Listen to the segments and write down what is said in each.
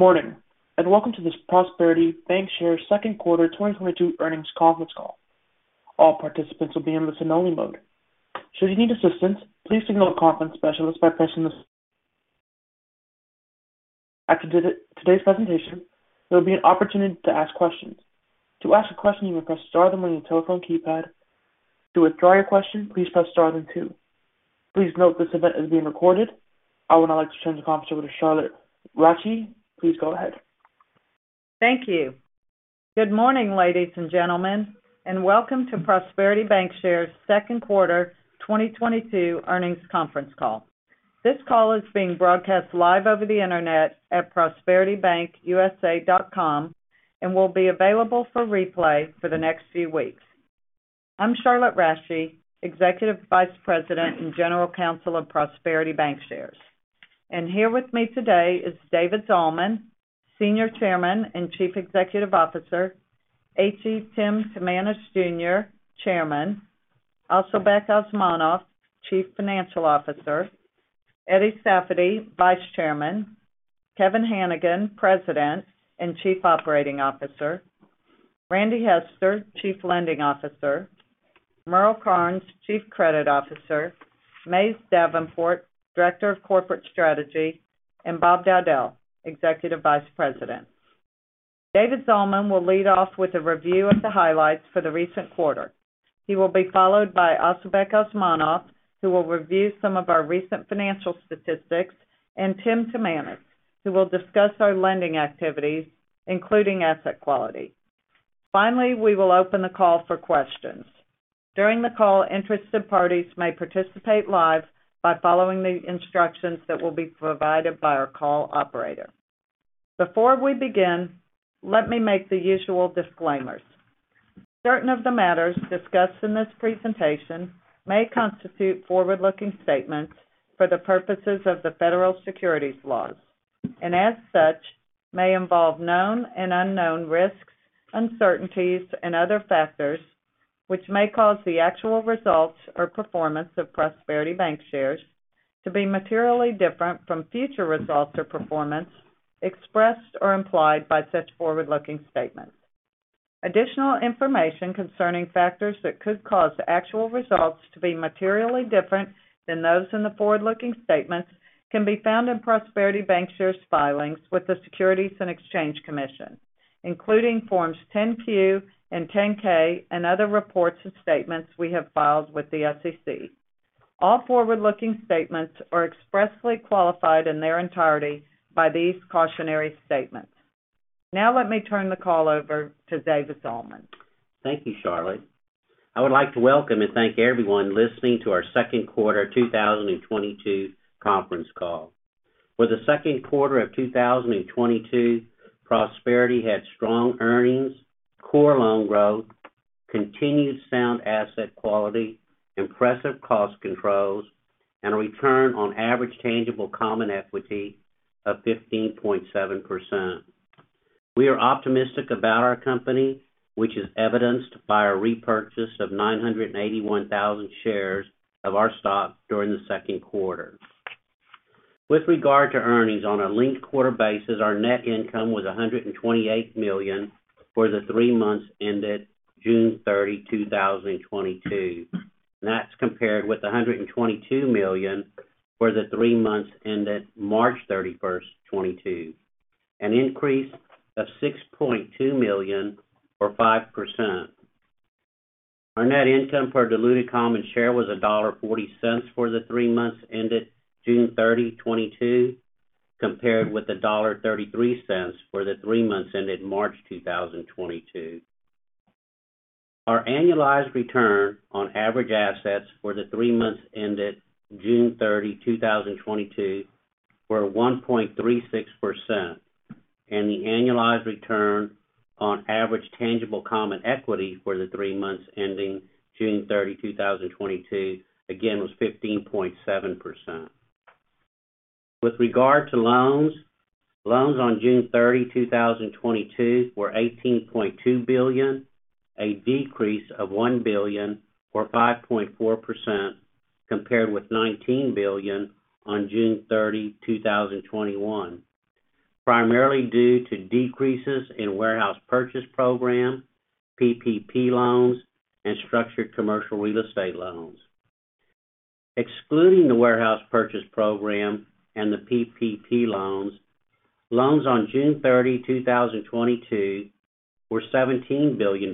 Good morning, and welcome to this Prosperity Bancshares' second quarter 2022 earnings conference call. All participants will be in listen-only mode. Should you need assistance, please signal a conference specialist. After today's presentation, there'll be an opportunity to ask questions. To ask a question, you may press star on your telephone keypad. To withdraw your question, please press star then two. Please note this event is being recorded. I would now like to turn the conference over to Charlotte Rasche. Please go ahead. Thank you. Good morning, ladies and gentlemen, and welcome to Prosperity Bancshares' second quarter 2022 earnings conference call. This call is being broadcast live over the internet at prosperitybankusa.com and will be available for replay for the next few weeks. I'm Charlotte Rasche, Executive Vice President and General Counsel of Prosperity Bancshares. Here with me today is David Zalman, Senior Chairman and Chief Executive Officer, H.E. Timanus, Jr., Chairman, Asylbek Osmonov, Chief Financial Officer, Eddie Safady, Vice Chairman, Kevin Hanigan, President and Chief Operating Officer, Randy Hester, Chief Lending Officer, Merle Karnes, Chief Credit Officer, Mays Davenport, Director of Corporate Strategy, and Bob Dowdell, Executive Vice President. David Zalman will lead off with a review of the highlights for the recent quarter. He will be followed by Asylbek Osmonov, who will review some of our recent financial statistics, and Tim Timanus, who will discuss our lending activities, including asset quality. Finally, we will open the call for questions. During the call, interested parties may participate live by following the instructions that will be provided by our call operator. Before we begin, let me make the usual disclaimers. Certain of the matters discussed in this presentation may constitute forward-looking statements for the purposes of the federal securities laws, and as such, may involve known and unknown risks, uncertainties, and other factors which may cause the actual results or performance of Prosperity Bancshares to be materially different from future results or performance expressed or implied by such forward-looking statements. Additional information concerning factors that could cause the actual results to be materially different than those in the forward-looking statements can be found in Prosperity Bancshares filings with the Securities and Exchange Commission, including Forms 10-Q and 10-K and other reports and statements we have filed with the SEC. All forward-looking statements are expressly qualified in their entirety by these cautionary statements. Now let me turn the call over to David Zalman. Thank you, Charlotte. I would like to welcome and thank everyone listening to our second quarter 2022 conference call. For the second quarter of 2022, Prosperity had strong earnings, core loan growth, continued sound asset quality, impressive cost controls, and a return on average tangible common equity of 15.7%. We are optimistic about our company, which is evidenced by a repurchase of 981,000 shares of our stock during the second quarter. With regard to earnings, on a linked quarter basis, our net income was $128 million for the three months ended June 30, 2022. That's compared with $122 million for the three months ended March 31st, 2022, an increase of $6.2 million or 5%. Our net income per diluted common share was $1.40 for the three months ended June 30, 2022, compared with $1.33 for the three months ended March 2022. Our annualized return on average assets for the three months ended June 30, 2022 were 1.36%, and the annualized return on average tangible common equity for the three months ending June 30, 2022, again, was 15.7%. With regard to loans on June 30, 2022 were $18.2 billion, a decrease of $1 billion or 5.4% compared with $19 billion on June 30, 2021, primarily due to decreases in warehouse purchase program, PPP loans, and structured commercial real estate loans. Excluding the warehouse purchase program and the PPP loans on June 30, 2022 were $17 billion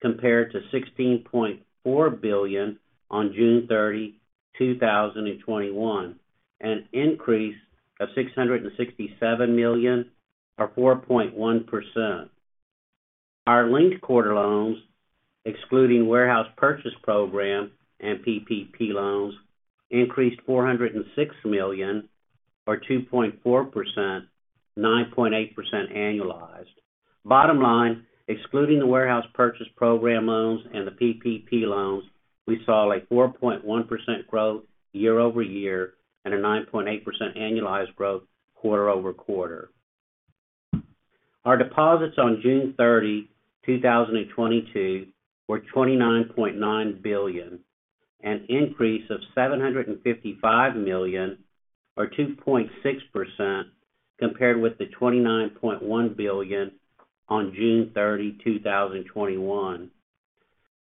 compared to $16.4 billion on June 30, 2021, an increase of $667 million or 4.1%. Our linked quarter loans, excluding warehouse purchase program and PPP loans, increased $406 million or 2.4%, 9.8% annualized. Bottom line, excluding the warehouse purchase program loans and the PPP loans, we saw a 4.1% growth year-over-year and a 9.8% annualized growth quarter over quarter. Our deposits on June 30, 2022 were $29.9 billion, an increase of $755 million or 2.6% compared with the $29.1 billion on June 30, 2021.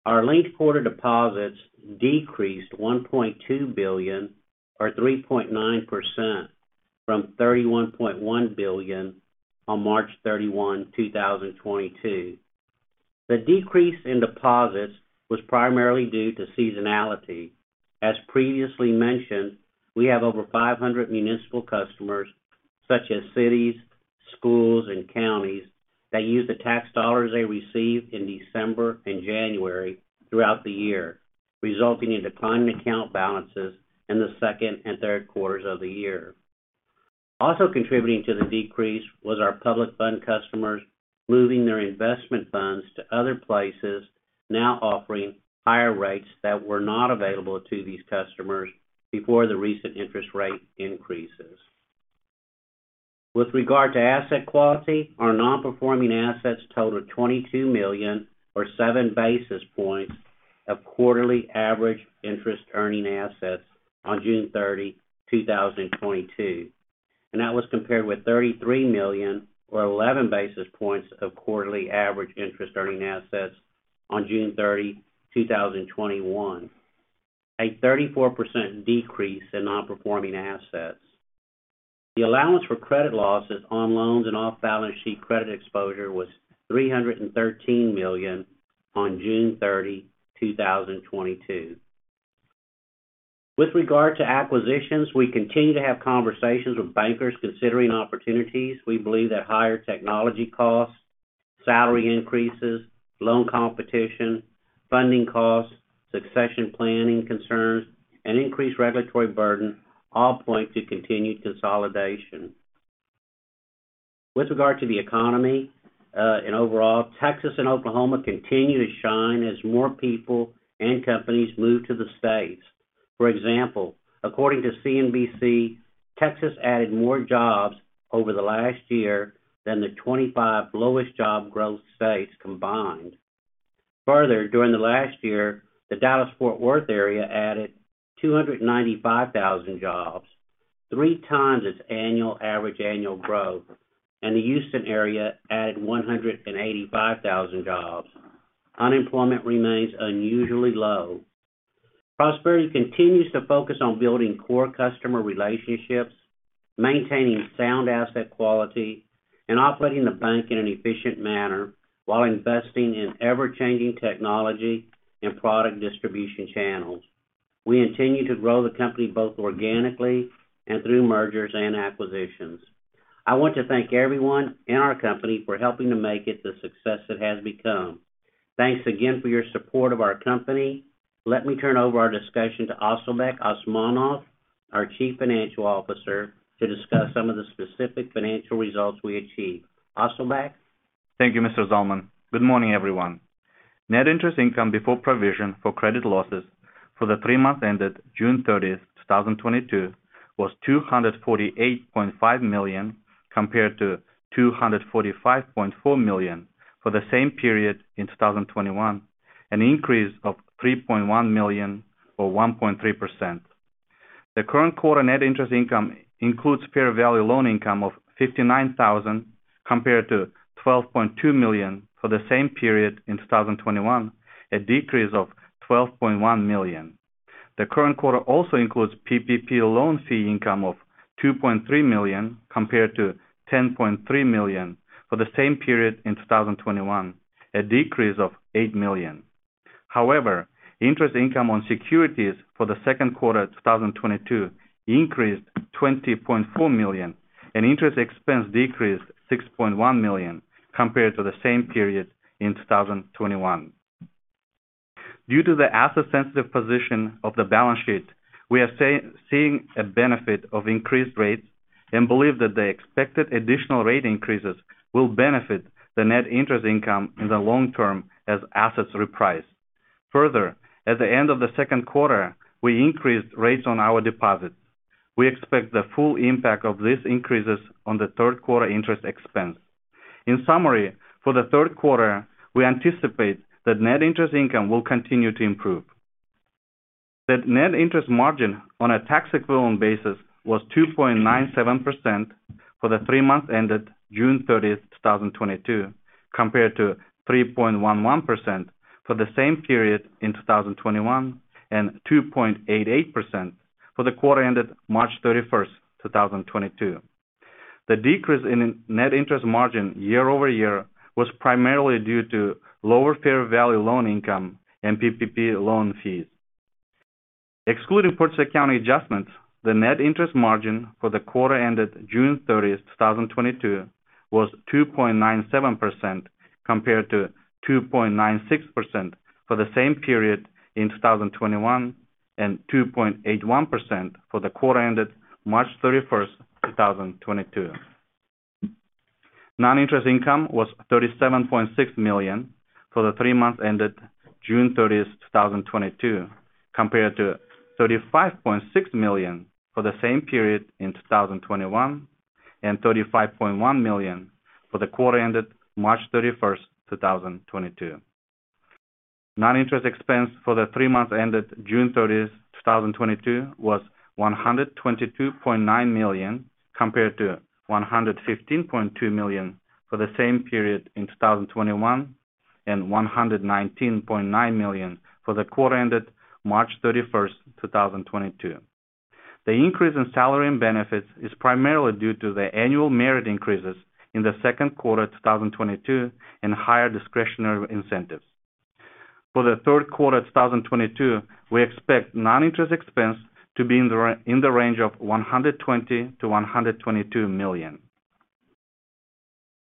Our linked quarter deposits decreased $1.2 billion or 3.9% from $31.1 billion on March 31, 2022. The decrease in deposits was primarily due to seasonality. As previously mentioned, we have over 500 municipal customers such as cities, schools, and counties that use the tax dollars they receive in December and January throughout the year, resulting in declining account balances in the second and third quarters of the year. Also contributing to the decrease was our public fund customers moving their investment funds to other places now offering higher rates that were not available to these customers before the recent interest rate increases. With regard to asset quality, our non-performing assets totaled $22 million or 7 basis points of quarterly average interest earning assets on June 30, 2022, and that was compared with $33 million or 11 basis points of quarterly average interest earning assets on June 30, 2021, a 34% decrease in non-performing assets. The allowance for credit losses on loans and off balance sheet credit exposure was $313 million on June 30, 2022. With regard to acquisitions, we continue to have conversations with bankers considering opportunities. We believe that higher technology costs, salary increases, loan competition, funding costs, succession planning concerns, and increased regulatory burden all point to continued consolidation. With regard to the economy, overall, Texas and Oklahoma continue to shine as more people and companies move to the States. For example, according to CNBC, Texas added more jobs over the last year than the 25 lowest job growth states combined. Further, during the last year, the Dallas-Fort Worth area added 295,000 jobs, three times its annual average growth, and the Houston area added 185,000 jobs. Unemployment remains unusually low. Prosperity continues to focus on building core customer relationships, maintaining sound asset quality, and operating the bank in an efficient manner while investing in ever-changing technology and product distribution channels. We continue to grow the company both organically and through mergers and acquisitions. I want to thank everyone in our company for helping to make it the success it has become. Thanks again for your support of our company. Let me turn over our discussion to Asylbek Osmonov, our Chief Financial Officer, to discuss some of the specific financial results we achieved. Asylbek? Thank you, Mr. Zalman. Good morning, everyone. Net interest income before provision for credit losses for the three months ended June 30, 2022 was $248.5 million compared to $245.4 million for the same period in 2021, an increase of $3.1 million or 1.3%. The current quarter net interest income includes fair value loan income of $59,000 compared to $12.2 million for the same period in 2021, a decrease of $12.1 million. The current quarter also includes PPP loan fee income of $2.3 million compared to $10.3 million for the same period in 2021, a decrease of $8 million. However, interest income on securities for the second quarter of 2022 increased $20.4 million, and interest expense decreased $6.1 million compared to the same period in 2021. Due to the asset sensitive position of the balance sheet, we are seeing a benefit of increased rates and believe that the expected additional rate increases will benefit the net interest income in the long term as assets reprice. Further, at the end of the second quarter, we increased rates on our deposits. We expect the full impact of these increases on the third quarter interest expense. In summary, for the third quarter, we anticipate that net interest income will continue to improve. The net interest margin on a tax equivalent basis was 2.97% for the three months ended June 30th, 2022, compared to 3.11% for the same period in 2021 and 2.88% for the quarter ended March 31st, 2022. The decrease in net interest margin year-over-year was primarily due to lower fair value loan income and PPP loan fees. Excluding purchase accounting adjustments, the net interest margin for the quarter ended June 30th, 2022 was 2.97% compared to 2.96% for the same period in 2021 and 2.81% for the quarter ended March 31st, 2022. Non-interest income was $37.6 million for the three months ended June 30th, 2022, compared to $35.6 million for the same period in 2021, and $35.1 million for the quarter ended March 31st, 2022. Non-interest expense for the three months ended June 30th, 2022 was $122.9 million compared to $115.2 million for the same period in 2021, and $119.9 million for the quarter ended March 31st, 2022. The increase in salary and benefits is primarily due to the annual merit increases in the second quarter 2022 and higher discretionary incentives. For the third quarter 2022, we expect non-interest expense to be in the range of $120 million-$122 million.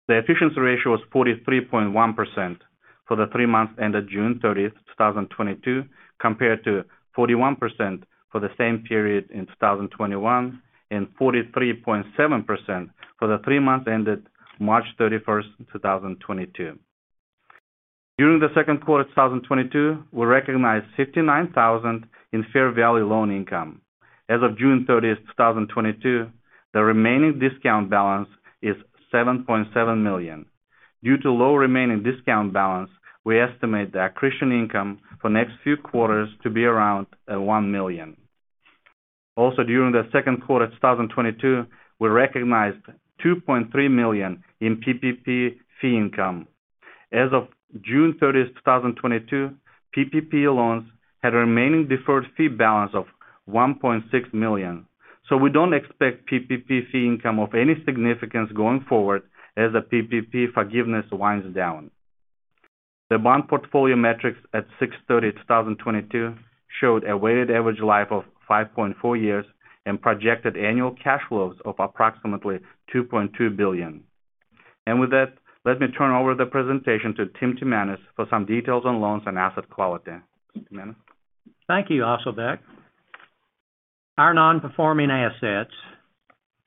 The efficiency ratio is 43.1% for the three months ended June 30th, 2022, compared to 41% for the same period in 2021, and 43.7% for the three months ended March 31st, 2022. During the second quarter 2022, we recognized $59,000 in fair value loan income. As of June 30th, 2022, the remaining discount balance is $7.7 million. Due to low remaining discount balance, we estimate the accretion income for next few quarters to be around $1 million. Also, during the second quarter 2022, we recognized $2.3 million in PPP fee income. As of June 30, 2022, PPP loans had a remaining deferred fee balance of $1.6 million, so we don't expect PPP fee income of any significance going forward as the PPP forgiveness winds down. The bond portfolio metrics at 6/30/2022 showed a weighted average life of 5.4 years and projected annual cash flows of approximately $2.2 billion. With that, let me turn over the presentation to Tim Timanus for some details on loans and asset quality. Timanus? Thank you, Asylbek Osmonov. Our non-performing assets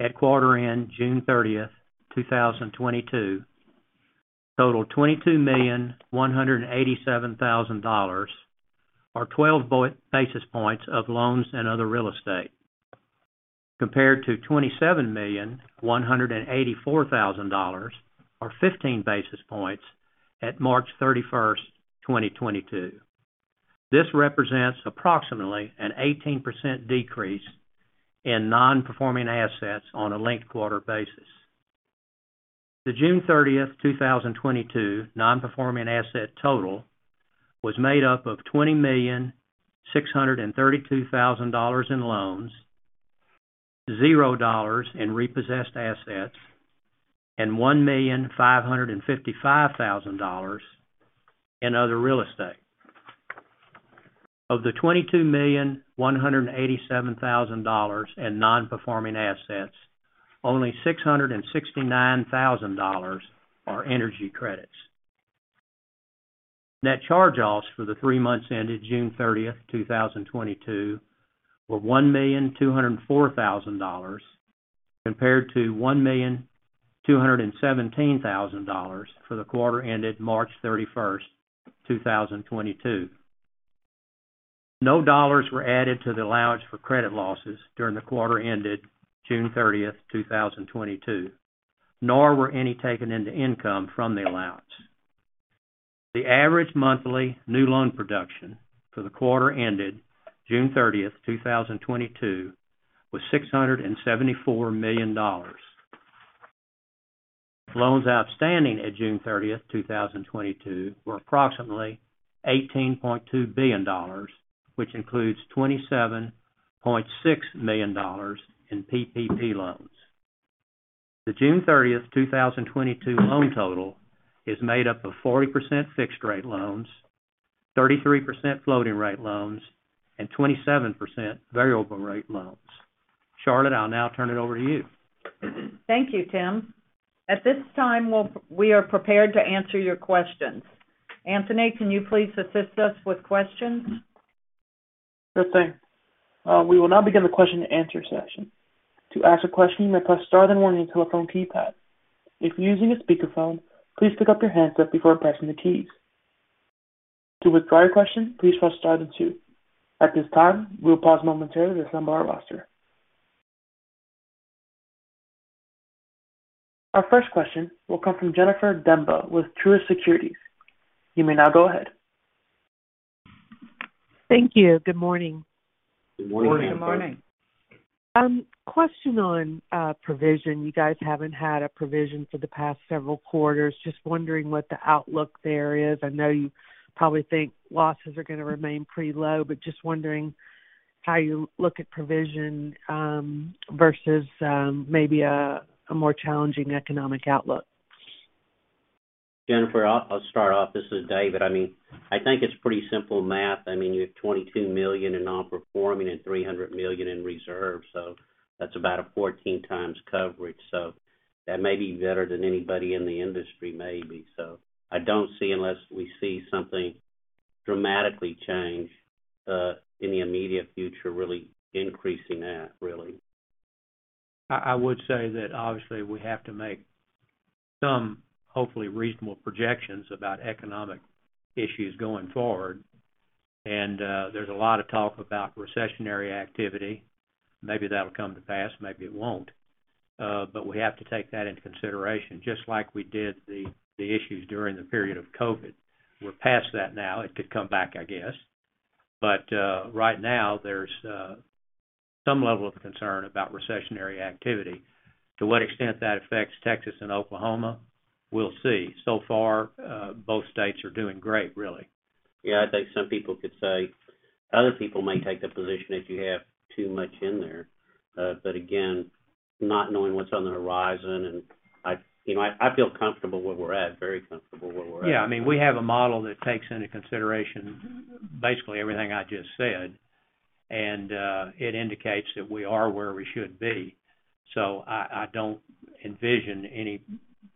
at quarter end June 30th, 2022 totaled $22,187,000, or 12 basis points of loans and other real estate, compared to $27,184,000 or 15 basis points at March 31st, 2022. This represents approximately an 18% decrease in non-performing assets on a linked-quarter basis. The June 30th, 2022 non-performing asset total was made up of $20,632,000 in loans, $0 in repossessed assets, and $1,555,000 in other real estate. Of the $22,187,000 in non-performing assets, only $669,000 are energy credits. Net charge-offs for the three months ended June 30th, 2022 were $1,204,000 compared to $1,217,000 for the quarter ended March 31st, 2022. No dollars were added to the allowance for credit losses during the quarter ended June 30th, 2022, nor were any taken into income from the allowance. The average monthly new loan production for the quarter ended June 30th, 2022 was $674 million. Loans outstanding at June 30th, 2022 were approximately $18.2 billion, which includes $27.6 million in PPP loans. The June 30th, 2022 loan total is made up of 40% fixed rate loans, 33% floating rate loans, and 27% variable rate loans. Charlotte, I'll now turn it over to you. Thank you, Tim. At this time, we are prepared to answer your questions. Anthony, can you please assist us with questions? Sure thing. We will now begin the question and answer session. To ask a question, you may press star then one on your telephone keypad. If you're using a speakerphone, please pick up your handset before pressing the keys. To withdraw your question, please press star then two. At this time, we'll pause momentarily to assemble our roster. Our first question will come from Jennifer Demba with Truist Securities. You may now go ahead. Thank you. Good morning. Good morning. Good morning. Question on provision. You guys haven't had a provision for the past several quarters. Just wondering what the outlook there is. I know you probably think losses are gonna remain pretty low, but just wondering how you look at provision versus maybe a more challenging economic outlook. Jennifer, I'll start off. This is David. I mean, I think it's pretty simple math. I mean, you have $22 million in non-performing and $300 million in reserves, so that's about a 14x coverage. That may be better than anybody in the industry maybe. I don't see unless we see something dramatically change in the immediate future, really increasing that. I would say that obviously we have to make some hopefully reasonable projections about economic issues going forward. There's a lot of talk about recessionary activity. Maybe that'll come to pass, maybe it won't. We have to take that into consideration, just like we did the issues during the period of COVID. We're past that now. It could come back, I guess. Right now there's some level of concern about recessionary activity. To what extent that affects Texas and Oklahoma, we'll see. So far, both states are doing great, really. Yeah. I think some people could say other people may take the position if you have too much in there. Again, not knowing what's on the horizon and I, you know, feel comfortable where we're at, very comfortable where we're at. Yeah. I mean, we have a model that takes into consideration basically everything I just said, and, it indicates that we are where we should be. I don't envision any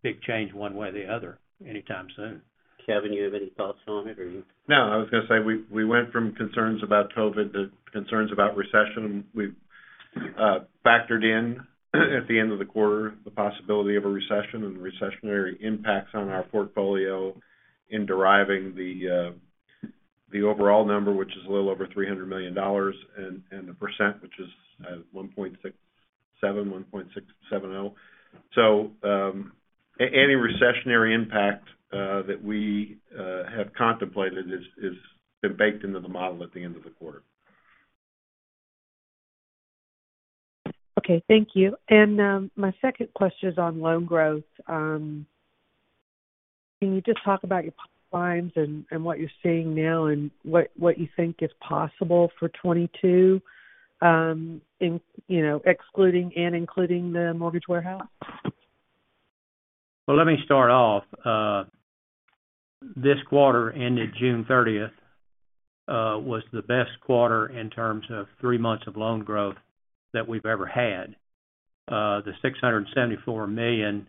big change one way or the other anytime soon. Kevin, you have any thoughts on it, or you- No, I was gonna say, we went from concerns about COVID to concerns about recession. We've factored in at the end of the quarter the possibility of a recession and the recessionary impacts on our portfolio in deriving the overall number, which is a little over $300 million, and the percent, which is 1.67%. Any recessionary impact that we have contemplated has been baked into the model at the end of the quarter. Okay. Thank you. My second question is on loan growth. Can you just talk about your pipelines and what you're seeing now and what you think is possible for 2022, you know, excluding and including the mortgage warehouse? Well, let me start off. This quarter ended June 30 was the best quarter in terms of three months of loan growth that we've ever had. The $674 million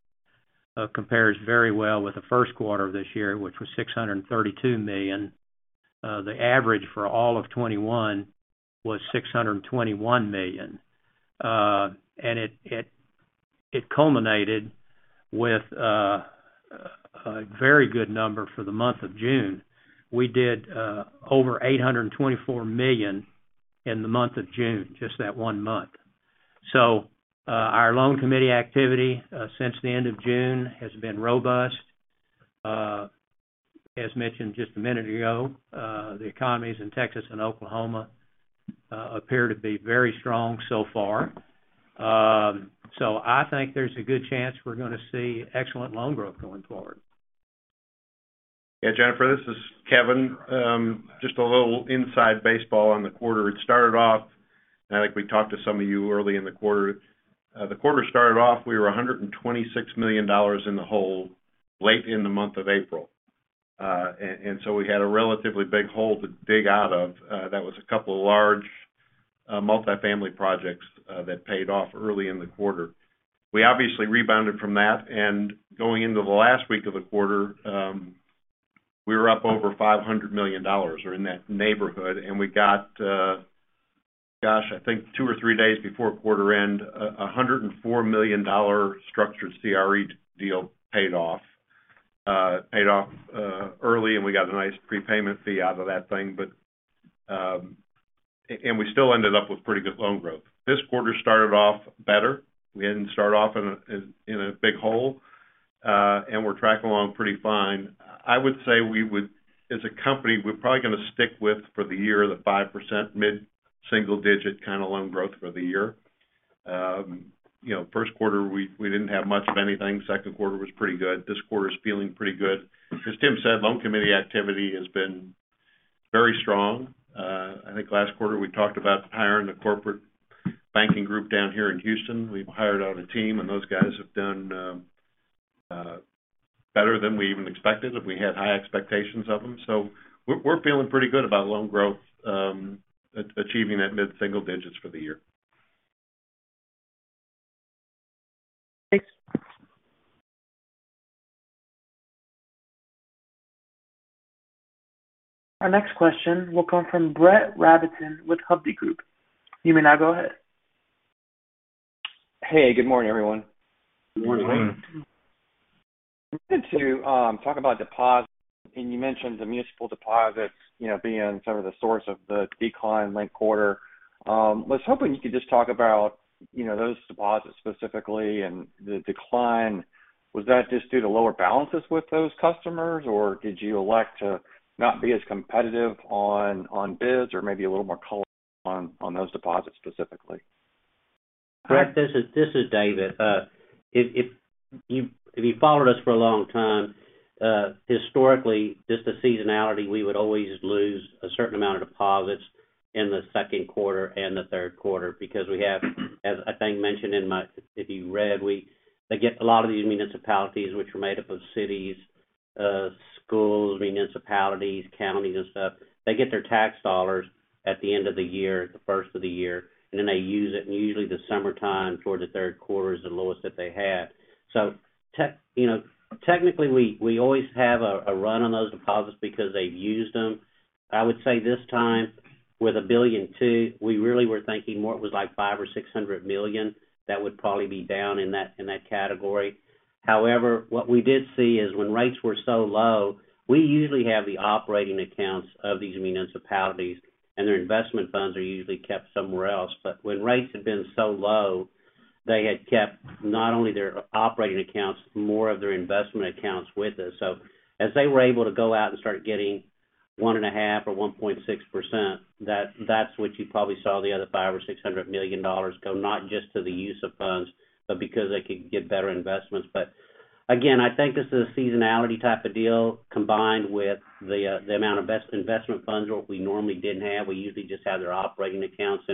compares very well with the first quarter of this year, which was $632 million. The average for all of 2021 was $621 million. It culminated with a very good number for the month of June. We did over $824 million in the month of June, just that one month. Our loan committee activity since the end of June has been robust. As mentioned just a minute ago, the economies in Texas and Oklahoma appear to be very strong so far. I think there's a good chance we're gonna see excellent loan growth going forward. Yeah. Jennifer, this is Kevin. Just a little inside baseball on the quarter. It started off. I think we talked to some of you early in the quarter. The quarter started off. We were $126 million in the hole late in the month of April. So we had a relatively big hole to dig out of. That was a couple of large multifamily projects that paid off early in the quarter. We obviously rebounded from that. Going into the last week of the quarter, we were up over $500 million or in that neighborhood. We got, I think two or three days before quarter end, a $104 million structured CRE deal paid off. Paid off early, and we got a nice prepayment fee out of that thing. We still ended up with pretty good loan growth. This quarter started off better. We didn't start off in a big hole, and we're tracking along pretty fine. I would say as a company, we're probably gonna stick with, for the year, the 5% mid-single digit kinda loan growth for the year. First quarter, we didn't have much of anything. Second quarter was pretty good. This quarter is feeling pretty good. As Tim said, loan committee activity has been very strong. I think last quarter we talked about hiring the corporate banking group down here in Houston. We've hired out a team, and those guys have done better than we even expected, and we had high expectations of them. We're feeling pretty good about loan growth, achieving that mid-single digits for the year. Thanks. Our next question will come from Brett Rabatin with Hovde Group. You may now go ahead. Hey, good morning, everyone. Good morning. Good morning. I'm good to talk about deposits, and you mentioned the municipal deposits, you know, being some of the source of the decline linked quarter. Was hoping you could just talk about, you know, those deposits specifically and the decline. Was that just due to lower balances with those customers, or did you elect to not be as competitive on bids or maybe a little more color on those deposits specifically? Brett, this is David. If you followed us for a long time, historically, just the seasonality, we would always lose a certain amount of deposits in the second quarter and the third quarter because we have, as I think I mentioned, if you read, they get a lot of these municipalities, which are made up of cities, schools, municipalities, counties and stuff. They get their tax dollars at the end of the year, the first of the year, and then they use it. Usually the summertime toward the third quarter is the lowest that they have. You know, technically, we always have a run on those deposits because they've used them. I would say this time. With $1.2 billion, we really were thinking more it was like $500 million-$600 million that would probably be down in that category. However, what we did see is when rates were so low, we usually have the operating accounts of these municipalities, and their investment funds are usually kept somewhere else. When rates had been so low, they had kept not only their operating accounts, more of their investment accounts with us. As they were able to go out and start getting 1.5% or 1.6%, that's what you probably saw the other $500 million-$600 million go not just to the use of funds, but because they could get better investments. Again, I think this is a seasonality type of deal combined with the amount of best investment funds or what we normally didn't have. We usually just have their operating accounts.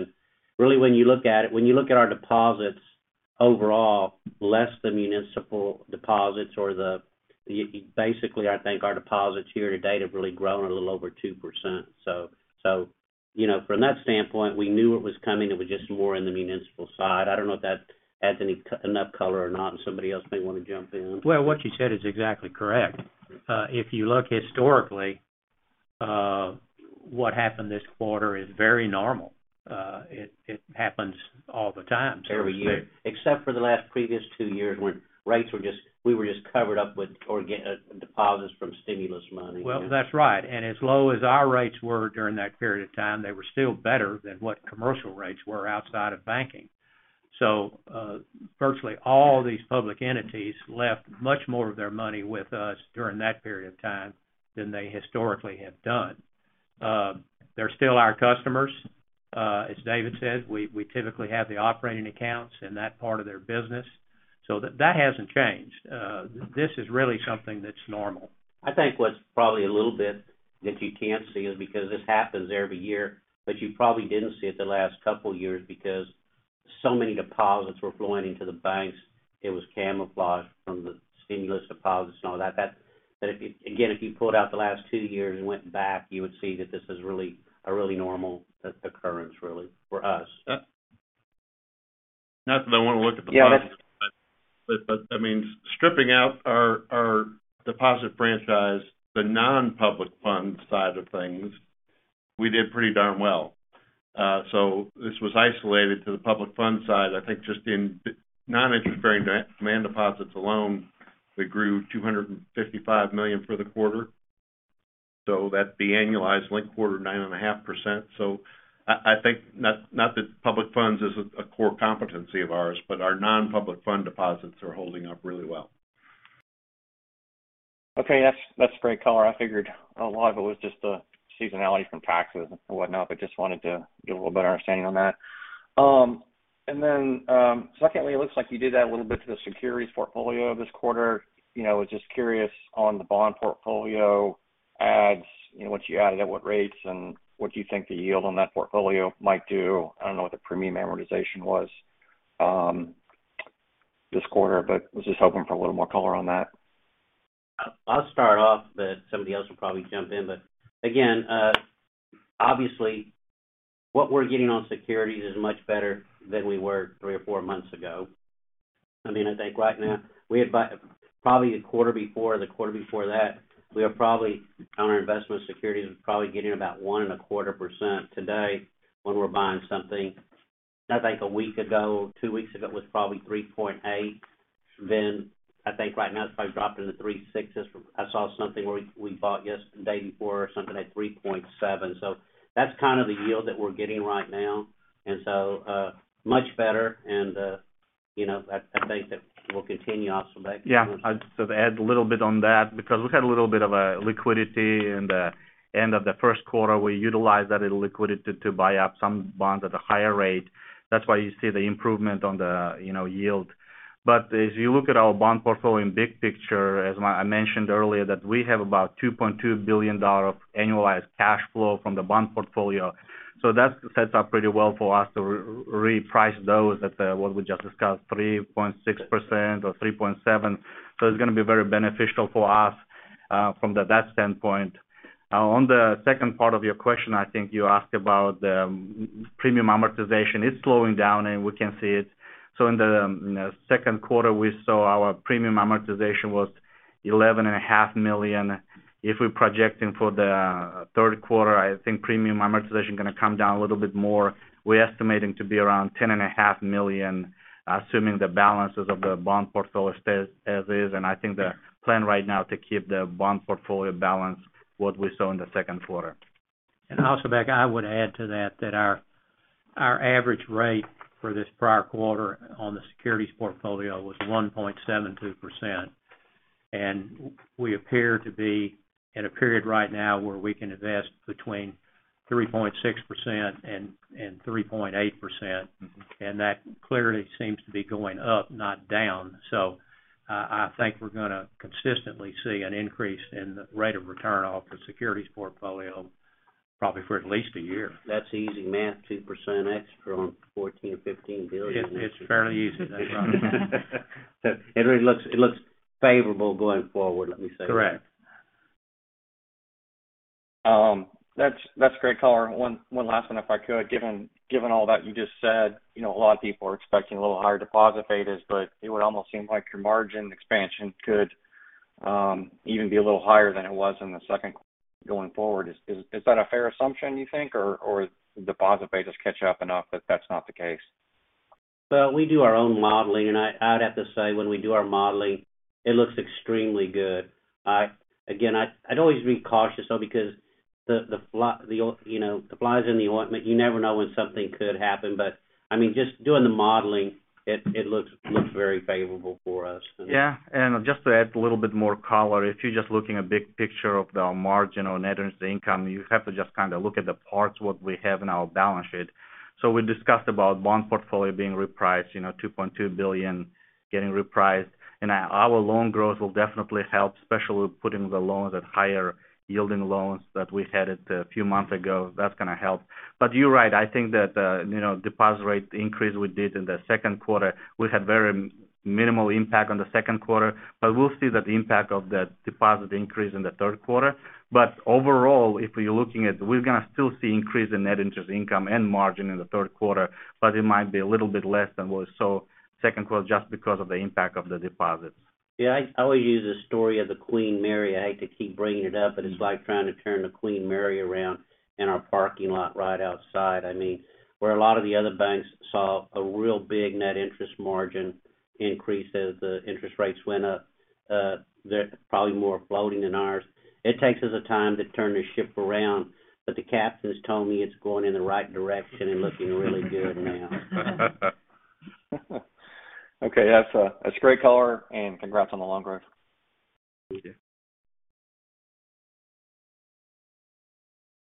Really, when you look at it, when you look at our deposits overall, less the municipal deposits, basically, I think our deposits here to date have really grown a little over 2%. So, you know, from that standpoint, we knew it was coming. It was just more in the municipal side. I don't know if that adds enough color or not, and somebody else may wanna jump in. Well, what you said is exactly correct. If you look historically, what happened this quarter is very normal. It happens all the time. Every year, except for the last previous two years when we were just covered up with deposits from stimulus money. Well, that's right. As low as our rates were during that period of time, they were still better than what commercial rates were outside of banking. Virtually all these public entities left much more of their money with us during that period of time than they historically have done. They're still our customers. As David said, we typically have the operating accounts in that part of their business. That hasn't changed. This is really something that's normal. I think what's probably a little bit that you can't see is because this happens every year, but you probably didn't see it the last couple of years because so many deposits were flowing into the banks, it was camouflaged from the stimulus deposits and all that. If you pulled out the last two years and went back, you would see that this is really a normal occurrence, really, for us. Not that I want to look at deposits, but I mean, stripping out our deposit franchise, the non-public fund side of things, we did pretty darn well. This was isolated to the public fund side. I think just in non-interest-bearing demand deposits alone, we grew $255 million for the quarter. That'd be annualized linked-quarter 9.5%. I think not that public funds is a core competency of ours, but our non-public fund deposits are holding up really well. Okay, that's a great color. I figured a lot of it was just the seasonality from taxes and what not, but just wanted to get a little better understanding on that. Secondly, it looks like you did add a little bit to the securities portfolio this quarter. You know, I was just curious on the bond portfolio adds, you know, what you added at what rates and what do you think the yield on that portfolio might do. I don't know what the premium amortization was, this quarter, but was just hoping for a little more color on that. I'll start off, but somebody else will probably jump in. Again, obviously, what we're getting on securities is much better than we were three or four months ago. I mean, I think right now we probably had the quarter before, the quarter before that, we are probably on our investment securities, probably getting about 1.25% today when we're buying something. I think a week ago, two weeks ago, it was probably 3.8%. I think right now it's probably dropped into 3.6s. I saw something where we bought yesterday or something at 3.7%. That's kind of the yield that we're getting right now. Much better and, you know, I think that will continue, Asylbek Osmonov. Yeah. I'd sort of add a little bit on that because we had a little bit of a liquidity in the end of the first quarter. We utilized that liquidity to buy up some bonds at a higher rate. That's why you see the improvement on the, you know, yield. But as you look at our bond portfolio in the big picture, as I mentioned earlier, that we have about $2.2 billion of annualized cash flow from the bond portfolio. So that sets up pretty well for us to re-price those at what we just discussed, 3.6% or 3.7%. So it's gonna be very beneficial for us from that standpoint. On the second part of your question, I think you asked about the premium amortization. It's slowing down, and we can see it. In the second quarter, we saw our premium amortization was $11.5 million. If we're projecting for the third quarter, I think premium amortization gonna come down a little bit more. We're estimating to be around $10.5 million, assuming the balances of the bond portfolio stays as is. I think the plan right now to keep the bond portfolio balance what we saw in the second quarter. Also, Brett, I would add to that our average rate for this prior quarter on the securities portfolio was 1.72%. We appear to be in a period right now where we can invest between 3.6% and 3.8%, and that clearly seems to be going up, not down. I think we're gonna consistently see an increase in the rate of return off the securities portfolio probably for at least a year. That's easy math, 2% extra on $14 billion-$15 billion. It's fairly easy. It looks favorable going forward, let me say. Correct. That's great color. One last one, if I could. Given all that you just said, you know, a lot of people are expecting a little higher deposit betas, but it would almost seem like your margin expansion could even be a little higher than it was in the second quarter going forward. Is that a fair assumption you think? Or deposit betas catch up enough that that's not the case? Well, we do our own modeling, and I'd have to say when we do our modeling, it looks extremely good. Again, I'd always be cautious though because you know, the fly is in the ointment. You never know when something could happen. I mean, just doing the modeling, it looks very favorable for us. Yeah. Just to add a little bit more color, if you're just looking a big picture of the margin or net interest income, you have to just kind of look at the parts, what we have in our balance sheet. We discussed about bond portfolio being repriced, you know, $2.2 billion getting repriced. Our loan growth will definitely help, especially putting the loans at higher yielding loans that we had it a few months ago. That's going to help. You're right. I think that, you know, deposit rate increase we did in the second quarter, we had very minimal impact on the second quarter. We'll see that the impact of that deposit increase in the third quarter. Overall, we're going to still see increase in net interest income and margin in the third quarter, but it might be a little bit less than what we saw second quarter just because of the impact of the deposits. Yeah, I always use the story of the Queen Mary. I hate to keep bringing it up, but it's like trying to turn the Queen Mary around in our parking lot right outside. I mean, where a lot of the other banks saw a real big net interest margin increase as the interest rates went up, they're probably more floating than ours. It takes us a time to turn the ship around. The captain's told me it's going in the right direction and looking really good now. Okay, that's great color, and congrats on the loan growth. Thank you.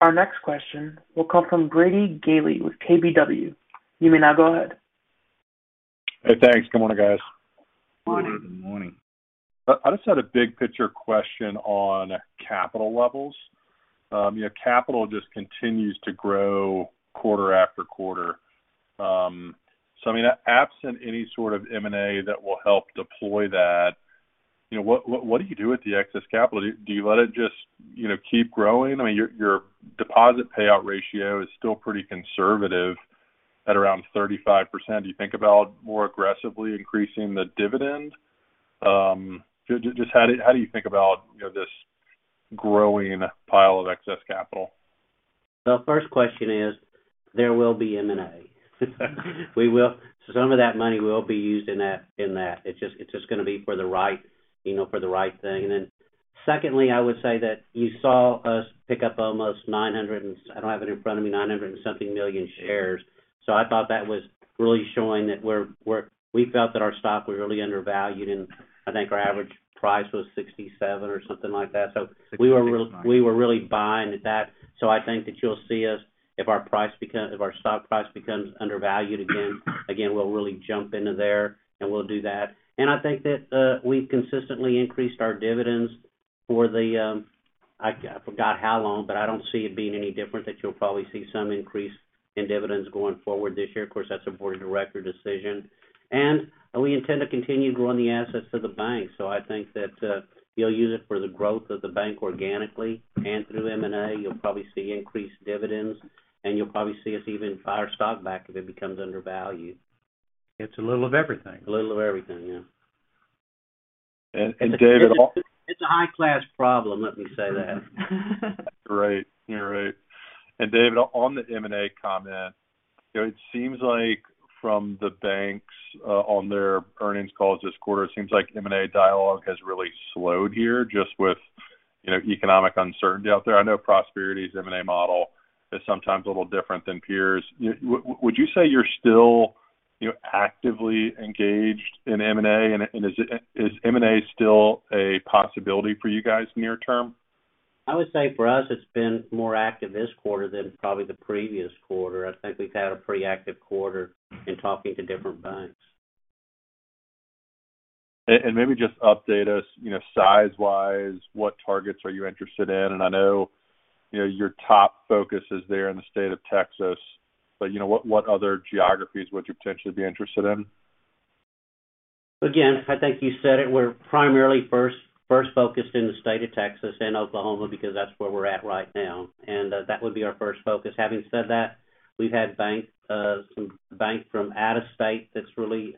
Our next question will come from Brady Gailey with KBW. You may now go ahead. Hey, thanks. Good morning, guys. Good morning. Good morning. I just had a big picture question on capital levels. You know, capital just continues to grow quarter after quarter. I mean, absent any sort of M&A that will help deploy that, you know, what do you do with the excess capital? Do you let it just, you know, keep growing? I mean, your deposit payout ratio is still pretty conservative at around 35%. Do you think about more aggressively increasing the dividend? Just how do you think about, you know, this growing pile of excess capital? The first question is, there will be M&A. Some of that money will be used in that. It's just going to be for the right, you know, for the right thing. Then secondly, I would say that you saw us pick up almost 900 and— I don't have it in front of me— 900-something million shares. I thought that was really showing that we're we felt that our stock was really undervalued, and I think our average price was 67 or something like that. We were real. Sixty-six. We were really buying at that. I think that you'll see us if our stock price becomes undervalued again, we'll really jump into there and we'll do that. I think that we've consistently increased our dividends for the I forgot how long, but I don't see it being any different, that you'll probably see some increase in dividends going forward this year. Of course, that's a board of director decision. We intend to continue growing the assets of the bank. I think that you'll use it for the growth of the bank organically and through M&A. You'll probably see increased dividends, and you'll probably see us even buy our stock back if it becomes undervalued. It's a little of everything. A little of everything, yeah. David- It's a high-class problem, let me say that. Right. You're right. David, on the M&A comment, you know, it seems like from the banks on their earnings calls this quarter, it seems like M&A dialogue has really slowed here just with, you know, economic uncertainty out there. I know Prosperity's M&A model is sometimes a little different than peers. Would you say you're still, you know, actively engaged in M&A? And is M&A still a possibility for you guys near term? I would say for us, it's been more active this quarter than probably the previous quarter. I think we've had a pretty active quarter in talking to different banks. Maybe just update us, you know, size-wise, what targets are you interested in? I know, you know, your top focus is there in the state of Texas, but you know, what other geographies would you potentially be interested in? Again, I think you said it, we're primarily first focused in the state of Texas and Oklahoma because that's where we're at right now. That would be our first focus. Having said that, we've had some bank from out of state that's really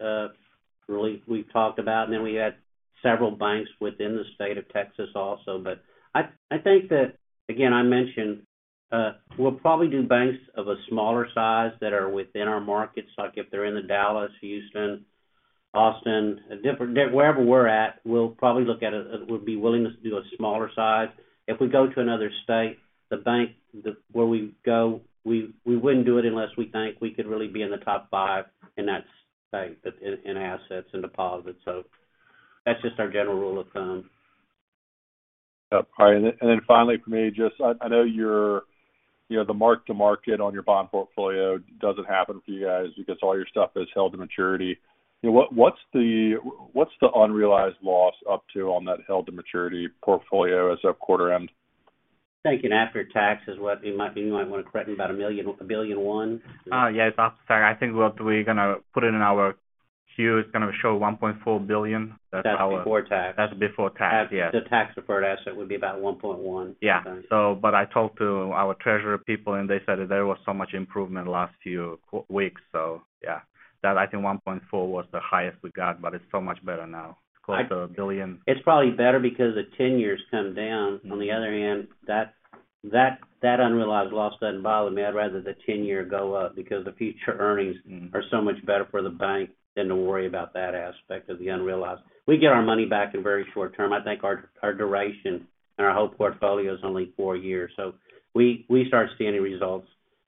we've talked about, and then we had several banks within the state of Texas also. I think that, again, I mentioned, we'll probably do banks of a smaller size that are within our markets, like if they're in the Dallas, Houston, Austin, wherever we're at, we'll probably look at it. We'll be willing to do a smaller size. If we go to another state, the bank where we go, we wouldn't do it unless we think we could really be in the top five in that state in assets and deposits. That's just our general rule of thumb. Yeah. All right. Finally for me, just I know your, you know, the mark to market on your bond portfolio doesn't happen for you guys because all your stuff is held to maturity. You know, what's the unrealized loss up to on that held to maturity portfolio as of quarter end? Thinking after tax is what it might be, you might want to correct me, about a million, a billion one. Yes, after tax, I think what we're going to put it in our Q, it's going to show $1.4 billion. That's our. That's before tax. That's before tax, yeah. The tax-deferred asset would be about $1.1 billion. Yeah, I talked to our treasurer people, and they said that there was so much improvement last few weeks. Yeah, that, I think, $1.4 billion was the highest we got, but it's so much better now. It's close to a billion. It's probably better because the 10-year comes down. On the other hand, that unrealized loss doesn't bother me. I'd rather the 10-year go up because the future earnings are so much better for the bank than to worry about that aspect of the unrealized. We get our money back in very short term. I think our duration and our whole portfolio is only four years, so we start seeing results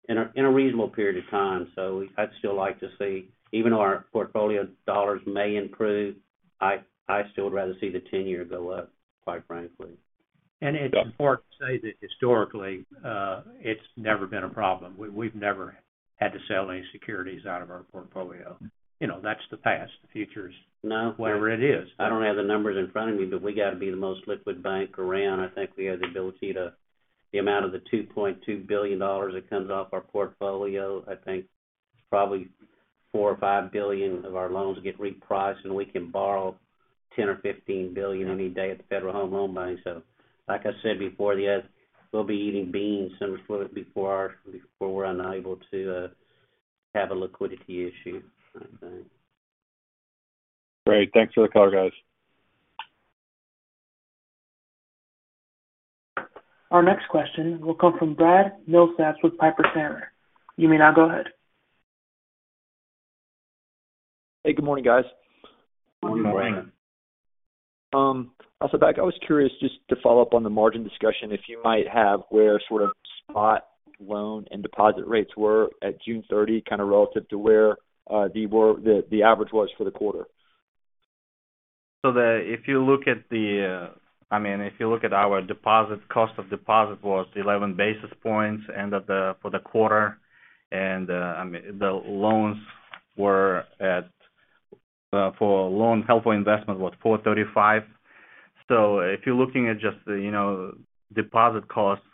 in a reasonable period of time. I'd still like to see, even though our portfolio dollars may improve, I still would rather see the 10-year go up, quite frankly. It's important to say that historically, it's never been a problem. We've never had to sell any securities out of our portfolio. You know, that's the past. The future is. No Whatever it is. I don't have the numbers in front of me, but we got to be the most liquid bank around. I think we have the ability to. The amount of the $2.2 billion that comes off our portfolio, I think it's probably $4 billion or $5 billion of our loans get repriced, and we can borrow $10 billion or $15 billion any day at the Federal Home Loan Bank. Like I said before, we'll be eating beans long before we're unable to have a liquidity issue, I think. Great. Thanks for the call, guys. Our next question will come from Brad Milsaps with Piper Sandler. You may now go ahead. Hey, good morning, guys. Good morning. Good morning. Osmonov, I was curious just to follow up on the margin discussion if you might have where sort of spot loan and deposit rates were at June 30 kind of relative to where the average was for the quarter. If you look at our deposit cost of deposit was 11 basis points end of the quarter, and I mean, the loans were at for loan held for investment was 4.35. If you're looking at just, you know, deposit costs,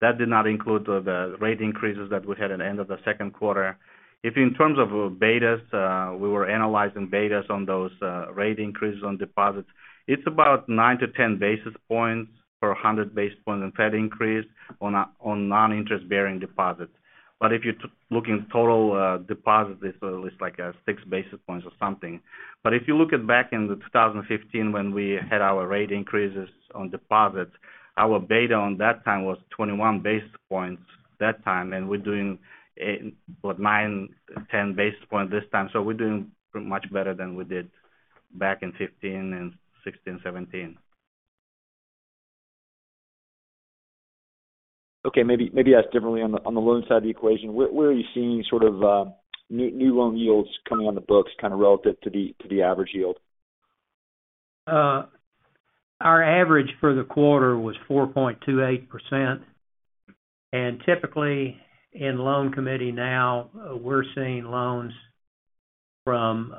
that did not include the rate increases that we had at the end of the second quarter. If in terms of betas, we were analyzing betas on those rate increases on deposits, it's about 9-10 basis points per 100 basis point Fed increase on non-interest-bearing deposits. If you're looking total deposit, it's at least like 6 basis points or something. If you look back in 2015 when we had our rate increases on deposits, our beta at that time was 21 basis points that time, and we're doing, what? Nine, 10 basis points this time. We're doing much better than we did back in 2015, 2016, 2017. Okay, maybe ask differently on the loan side of the equation. Where are you seeing sort of new loan yields coming on the books kind of relative to the average yield? Our average for the quarter was 4.28%. Typically, in loan committee now, we're seeing loans from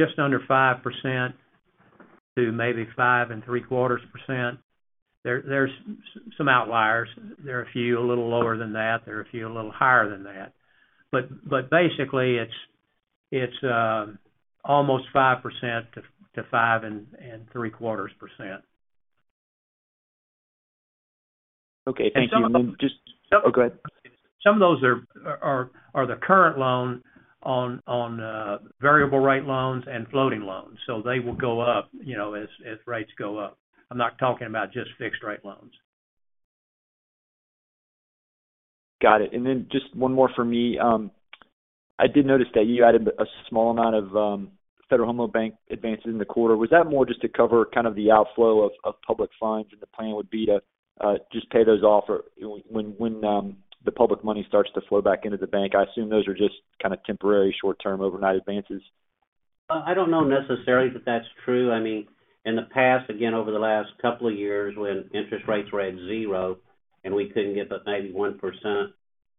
just under 5% to maybe 5.75%. There are some outliers. There are a few a little lower than that. There are a few a little higher than that. But basically, it's almost 5% to 5.75%. Okay. Thank you. And some of them- Oh, go ahead. Some of those are the current loan on variable rate loans and floating loans. They will go up, you know, as rates go up. I'm not talking about just fixed rate loans. Got it. Then just one more for me. I did notice that you added a small amount of Federal Home Loan Bank advances in the quarter. Was that more just to cover kind of the outflow of public funds, and the plan would be to just pay those off or when the public money starts to flow back into the bank? I assume those are just kind of temporary short-term overnight advances. I don't know necessarily that that's true. I mean, in the past, again, over the last couple of years, when interest rates were at zero and we couldn't get but maybe 1%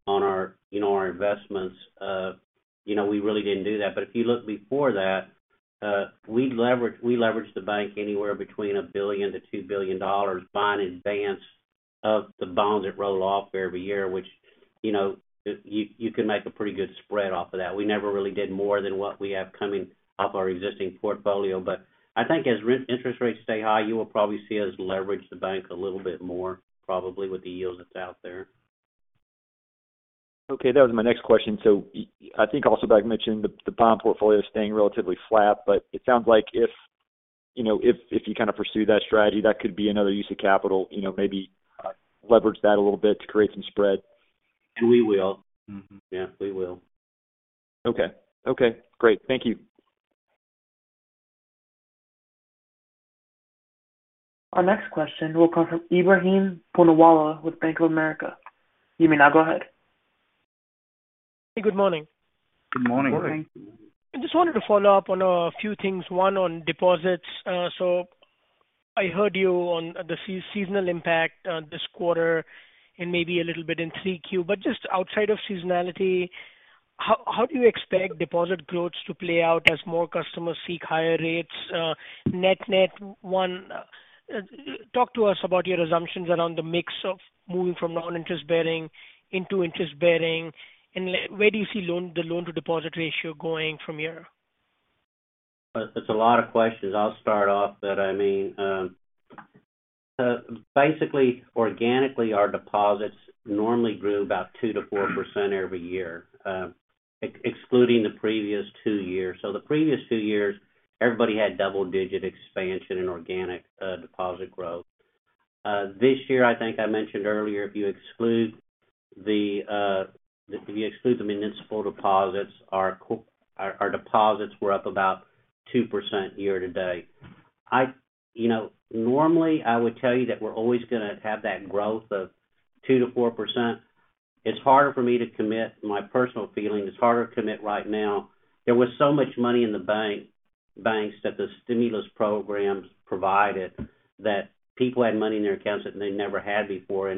on our, you know, our investments, you know, we really didn't do that. If you look before that, we leveraged the bank anywhere between $1 billion-$2 billion, bond advance of the bonds that roll off every year, which, you know, you could make a pretty good spread off of that. We never really did more than what we have coming off our existing portfolio. I think as interest rates stay high, you will probably see us leverage the bank a little bit more probably with the yield that's out there. Okay. That was my next question. I think Asylbek Osmonov mentioned the bond portfolio is staying relatively flat, but it sounds like if you know if you kind of pursue that strategy, that could be another use of capital, you know, maybe leverage that a little bit to create some spread. We will. Mm-hmm. Yeah, we will. Okay. Okay, great. Thank you. Our next question will come from Ebrahim Poonawala with Bank of America. You may now go ahead. Good morning. Good morning. Morning. I just wanted to follow up on a few things, one on deposits. So, I heard you on the seasonal impact this quarter and maybe a little bit in 3Q. Just outside of seasonality, how do you expect deposit growth to play out as more customers seek higher rates, net one? Talk to us about your assumptions around the mix of moving from non-interest bearing into interest bearing. Where do you see the loan to deposit ratio going from here? That's a lot of questions. I'll start off, but I mean, basically, organically, our deposits normally grew about 2%-4% every year, excluding the previous two years. The previous two years, everybody had double-digit expansion and organic deposit growth. This year, I think I mentioned earlier, if you exclude the municipal deposits, our deposits were up about 2% year-to-date. You know, normally, I would tell you that we're always gonna have that growth of 2%-4%. It's harder for me to commit. My personal feeling, it's harder to commit right now. There was so much money in the banks that the stimulus programs provided, that people had money in their accounts that they never had before,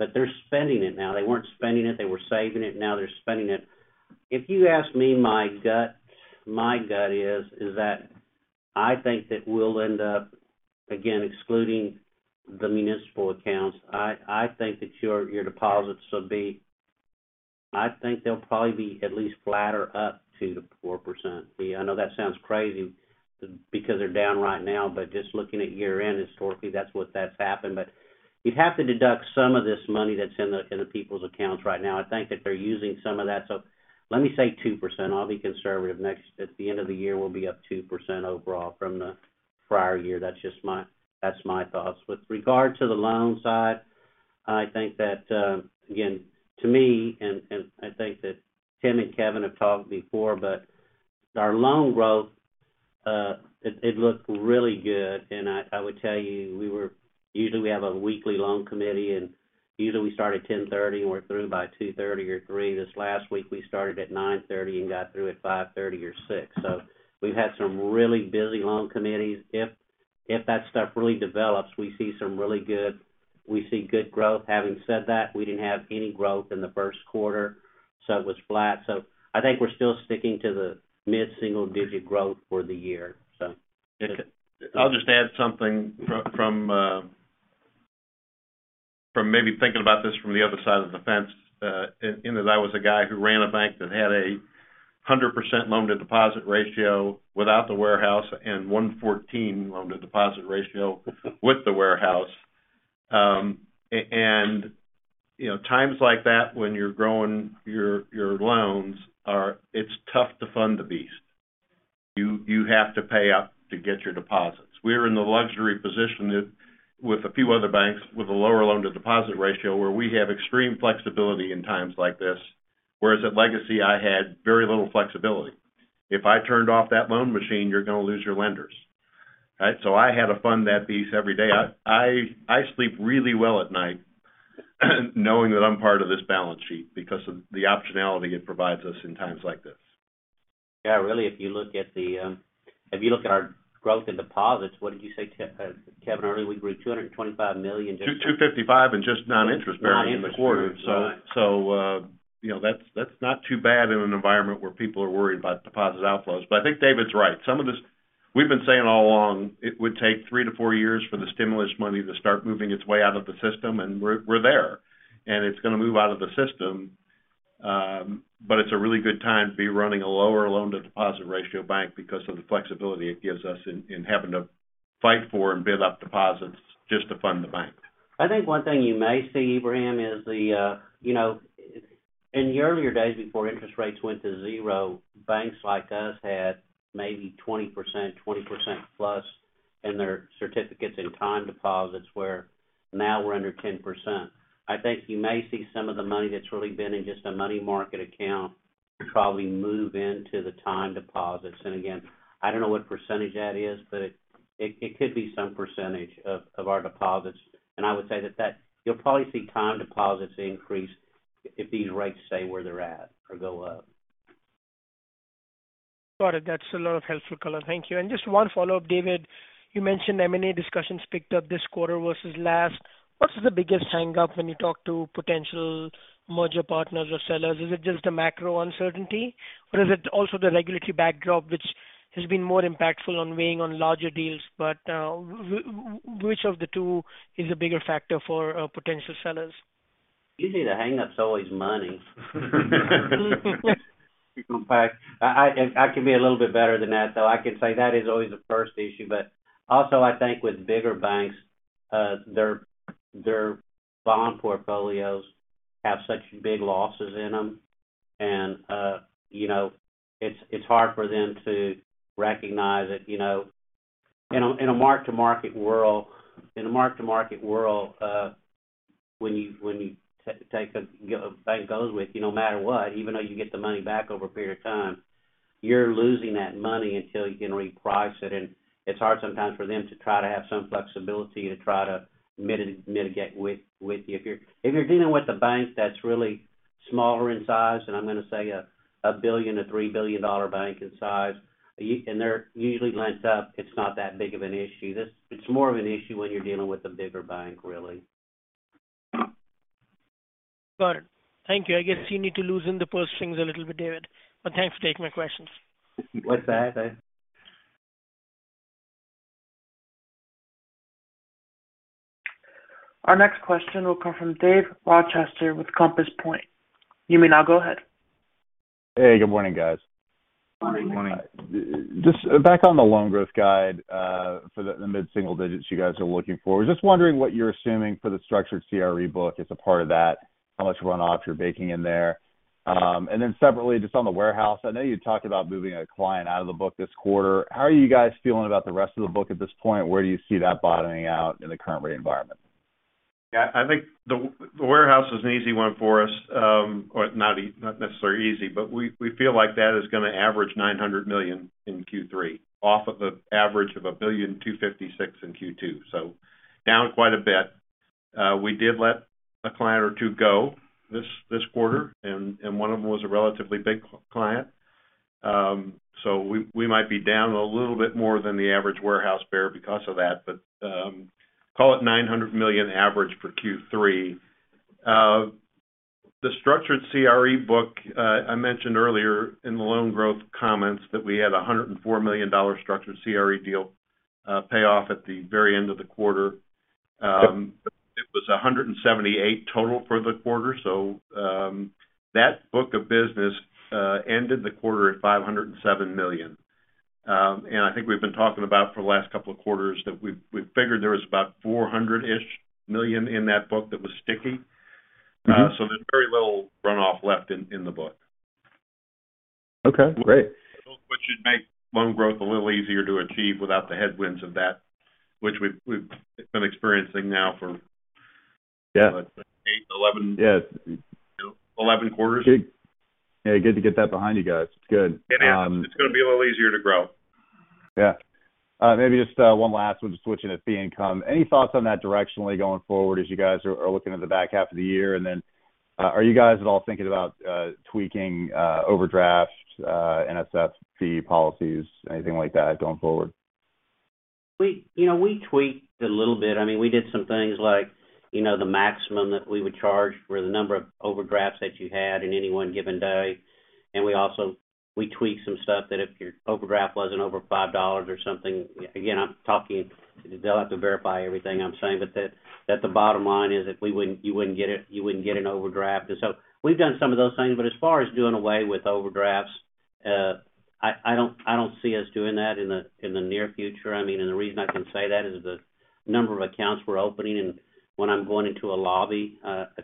but they're spending it now. They weren't spending it, they were saving it. Now they're spending it. If you ask me, my gut is that I think that we'll end up, again, excluding the municipal accounts, I think that your deposits will be. I think they'll probably be at least flat or up to the 4%. I know that sounds crazy because they're down right now, but just looking at year-end, historically, that's what has happened. You'd have to deduct some of this money that's in the people's accounts right now. I think that they're using some of that. Let me say 2%. I'll be conservative. At the end of the year, we'll be up 2% overall from the prior year. That's just my thoughts. With regard to the loan side, I think that, again, to me, and I think that Tim and Kevin have talked before, but our loan growth, it looked really good. I would tell you, usually, we have a weekly loan committee, and usually, we start at 10:30 A.M. and we're through by 2:30 P.M. or 3:00 P.M. This last week, we started at 9:30 A.M. and got through at 5:30 P.M. or 6:00 P.M. We've had some really busy loan committees. If that stuff really develops, we see good growth. Having said that, we didn't have any growth in the first quarter, so it was flat. I think we're still sticking to the mid-single-digit growth for the year. I'll just add something from maybe thinking about this from the other side of the fence, in that I was a guy who ran a bank that had a 100% loan-to-deposit ratio without the warehouse and 114 loan-to-deposit ratio with the warehouse. You know, times like that when you're growing your loans it's tough to fund the beast. You have to pay up to get your deposits. We're in the luxury position that with a few other banks with a lower loan-to-deposit ratio where we have extreme flexibility in times like this, whereas at Legacy, I had very little flexibility. If I turned off that loan machine, you're gonna lose your lenders, right? I had to fund that beast every day. I sleep really well at night, knowing that I'm part of this balance sheet because of the optionality it provides us in times like this. Yeah, really, if you look at our growth in deposits, what did you say, Kevin earlier? We grew $225 million just- $255 million in just non-interest-bearing in the quarter. Non-interest-bearing, right. You know, that's not too bad in an environment where people are worried about deposit outflows. I think David's right. Some of this. We've been saying all along it would take three-four years for the stimulus money to start moving its way out of the system, and we're there. It's gonna move out of the system, but it's a really good time to be running a lower loan-to-deposit ratio bank because of the flexibility it gives us in having to fight for and build up deposits just to fund the bank. I think one thing you may see, Ebrahim, is the in the earlier days before interest rates went to zero, banks like us had maybe 20%, 20%+ in their certificates and time deposits, where now we're under 10%. I think you may see some of the money that's really been in just a money market account probably move into the time deposits. Again, I don't know what percentage that is, but it could be some percentage of our deposits. I would say that you'll probably see time deposits increase if these rates stay where they're at or go up. Got it. That's a lot of helpful color. Thank you. Just one follow-up, David. You mentioned M&A discussions picked up this quarter versus last. What is the biggest hang-up when you talk to potential merger partners or sellers? Is it just the macro uncertainty or is it also the regulatory backdrop which has been more impactful on weighing on larger deals, but which of the two is a bigger factor for potential sellers? Usually, the hang-up's always money. In fact, I can be a little bit better than that, though. I can say that is always the first issue, but also I think with bigger banks, their bond portfolios have such big losses in them. You know, it's hard for them to recognize that, you know, in a mark-to-market world, when you, a bank goes with you no matter what, even though you get the money back over a period of time, you're losing that money until you can reprice it. It's hard sometimes for them to try to have some flexibility to try to mitigate with you. If you're dealing with a bank that's really smaller in size, and I'm gonna say a $1 billion-$3 billion bank in size, and they're usually lent up, it's not that big of an issue. It's more of an issue when you're dealing with a bigger bank, really. Got it. Thank you. I guess you need to loosen the purse strings a little bit, David. Thanks for taking my questions. You bet, buddy. Our next question will come from Dave Rochester with Compass Point. You may now go ahead. Hey, good morning, guys. Just back on the loan growth guide, for the mid-single digits you guys are looking for. I was just wondering what you're assuming for the structured CRE book as a part of that, how much runoff you're baking in there. Separately, just on the warehouse, I know you talked about moving a client out of the book this quarter. How are you guys feeling about the rest of the book at this point? Where do you see that bottoming out in the current rate environment? Yeah, I think the warehouse is an easy one for us. Or not necessarily easy, but we feel like that is gonna average $900 million in Q3, off of the average of $1.256 billion in Q2. Down quite a bit. We did let a client or two go this quarter and one of them was a relatively big client. We might be down a little bit more than the average warehouse balance because of that. Call it $900 million average for Q3. The structured CRE book, I mentioned earlier in the loan growth comments that we had a $104 million structured CRE deal pay off at the very end of the quarter. It was $178 million total for the quarter. that book of business ended the quarter at $507 million. I think we've been talking about for the last couple of quarters that we figured there was about $400-ish million in that book that was sticky. Mm-hmm. There's very little runoff left in the book. Okay, great. Which should make loan growth a little easier to achieve without the headwinds of that which we've been experiencing now for- Yeah Eight, 11. Yeah. 11 quarters. Yeah. Good to get that behind you guys. It's good. It's gonna be a little easier to grow. Yeah, maybe just one last one, just switching to fee income. Any thoughts on that directionally going forward as you guys are looking at the back half of the year? Then, are you guys at all thinking about tweaking overdrafts, NSF fee policies, anything like that going forward? You know, we tweaked a little bit. I mean, we did some things like, you know, the maximum that we would charge for the number of overdrafts that you had in any one given day. We also tweaked some stuff that if your overdraft wasn't over $5 or something. Again, they'll have to verify everything I'm saying, but that the bottom line is you wouldn't get it, you wouldn't get an overdraft. We've done some of those things. As far as doing away with overdrafts, I don't see us doing that in the near future. I mean, the reason I can say that is the number of accounts we're opening and when I'm going into a lobby,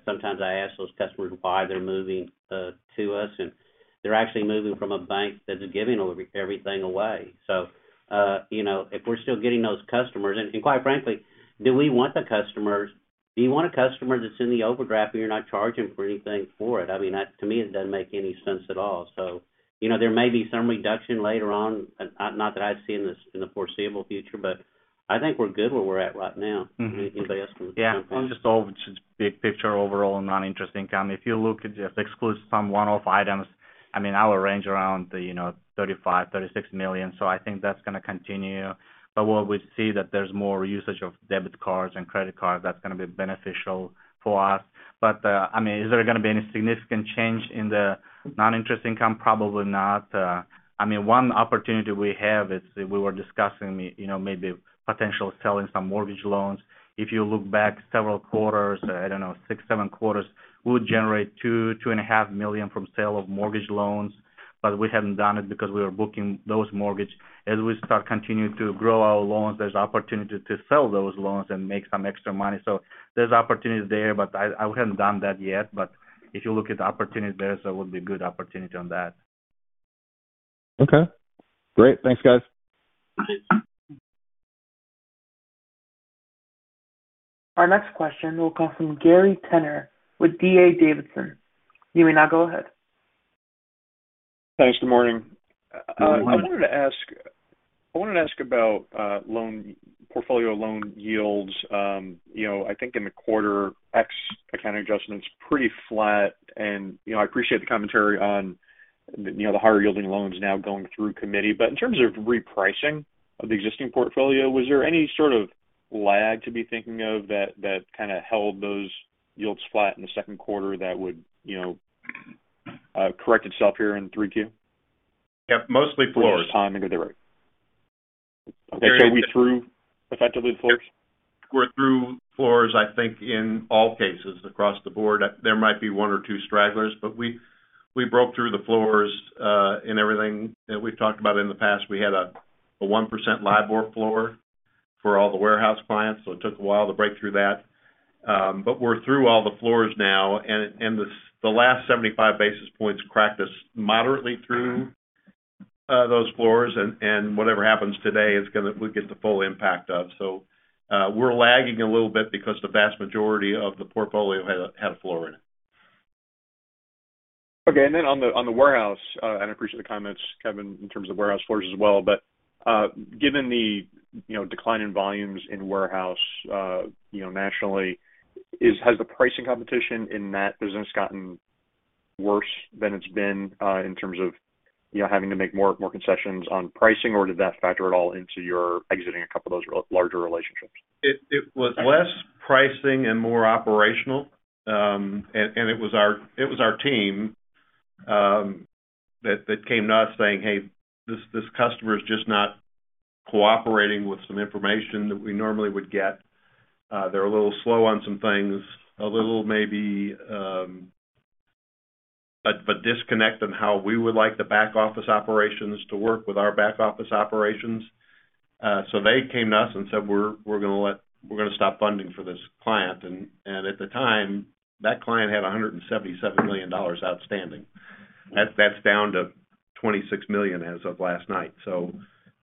sometimes I ask those customers why they're moving to us, and they're actually moving from a bank that's giving over everything away. You know, if we're still getting those customers. Quite frankly, do we want the customers? Do you want a customer that's in the overdraft, but you're not charging for anything for it? I mean, that to me, it doesn't make any sense at all. You know, there may be some reduction later on, not that I see in the foreseeable future, but I think we're good where we're at right now. Mm-hmm. Anything else? Yeah. Just big picture overall non-interest income. If you look at just exclusive some one-off items, I mean, our range around, you know, $35 million-$36 million. I think that's gonna continue. What we see that there's more usage of debit cards and credit cards, that's gonna be beneficial for us. I mean, is there gonna be any significant change in the non-interest income? Probably not. I mean, one opportunity we have is we were discussing, you know, maybe potential selling some mortgage loans. If you look back several quarters, I don't know, six, seven quarters, we would generate $2 million-$2.5 million from sale of mortgage loans, but we haven't done it because we are booking those mortgage. As we start continuing to grow our loans, there's opportunity to sell those loans and make some extra money. There's opportunities there, but I haven't done that yet. If you look at the opportunities there would be good opportunity on that. Okay, great. Thanks, guys. Okay. Our next question will come from Gary Tenner with D.A. Davidson. You may now go ahead. Thanks. Good morning. Good morning. I wanted to ask about loan portfolio yields. You know, I think in the quarter, purchase accounting adjustments pretty flat and, you know, I appreciate the commentary on, you know, the higher yielding loans now going through committee. In terms of repricing of the existing portfolio, was there any sort of lag to be thinking of that kind of held those yields flat in the second quarter that would, you know, correct itself here in 3Q? Yeah, mostly floors. What's the timing of the rate? Very- We through effectively floors? We're through floors, I think, in all cases across the board. There might be one or two stragglers, but we broke through the floors in everything that we've talked about in the past. We had a 1% LIBOR floor for all the warehouse clients, so it took a while to break through that. But we're through all the floors now. The last 75 basis points cracked us moderately through those floors. Whatever happens today, we'll get the full impact of. We're lagging a little bit because the vast majority of the portfolio had a floor in it. Okay. On the warehouse, and I appreciate the comments, Kevin, in terms of warehouse loans as well. Given the, you know, decline in volumes in warehouse, you know, nationally, has the pricing competition in that business gotten worse than it's been, in terms of, you know, having to make more concessions on pricing? Or did that factor at all into your exiting a couple of those larger relationships? It was less pricing and more operational. It was our team that came to us saying, "Hey, this customer is just not cooperating with some information that we normally would get. They're a little slow on some things, a little maybe a disconnect on how we would like the back-office operations to work with our back-office operations. So they came to us and said, "We're gonna stop funding for this client." At the time, that client had $177 million outstanding. That's down to $26 million as of last night.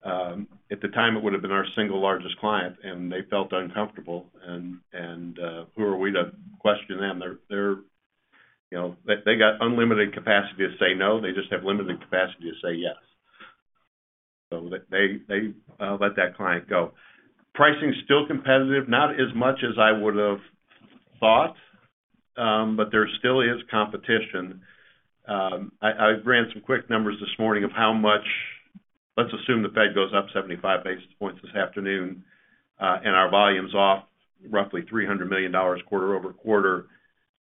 At the time, it would've been our single largest client, and they felt uncomfortable, who are we to question them? They're you know. They got unlimited capacity to say no, they just have limited capacity to say yes. They let that client go. Pricing's still competitive, not as much as I would've thought, but there still is competition. I ran some quick numbers this morning. Let's assume the Fed goes up 75 basis points this afternoon, and our volume's off roughly $300 million quarter-over-quarter.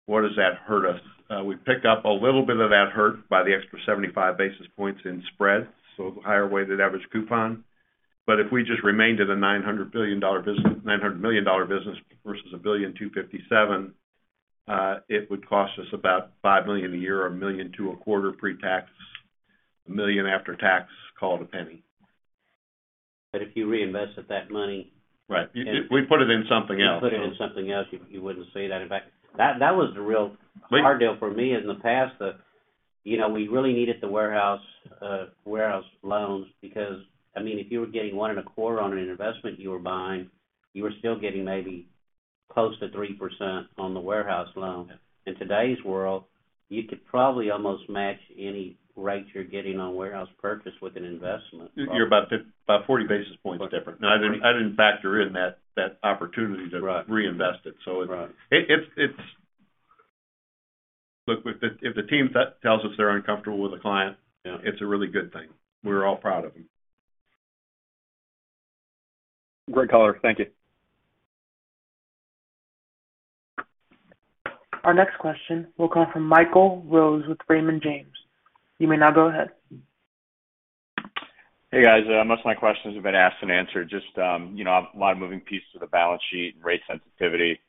What does that hurt us? We pick up a little bit of that hurt by the extra 75 basis points in spread, so higher weighted average coupon. If we just remained at a $900 million business versus a $1.257 billion, it would cost us about $5 million a year or $1 million a quarter pre-tax, $1 million after tax, call it a penny. If you reinvested that money. Right. We put it in something else. You put it in something else, you wouldn't see that. In fact, that was the real hard deal for me in the past. You know, we really needed the warehouse loans because, I mean, if you were getting 1.25% on an investment you were buying, you were still getting maybe close to 3% on the warehouse loan. Yeah. In today's world, you could probably almost match any rate you're getting on warehouse purchase with an investment. You're about 40 basis points different. No, I didn't factor in that opportunity to- Right Reinvest it. Right Look, if the team tells us they're uncomfortable with a client. Yeah It's a really good thing. We're all proud of them. Great color. Thank you. Our next question will come from Michael Rose with Raymond James. You may now go ahead. Hey, guys. Most of my questions have been asked and answered. Just, you know, a lot of moving pieces to the balance sheet and rate sensitivity.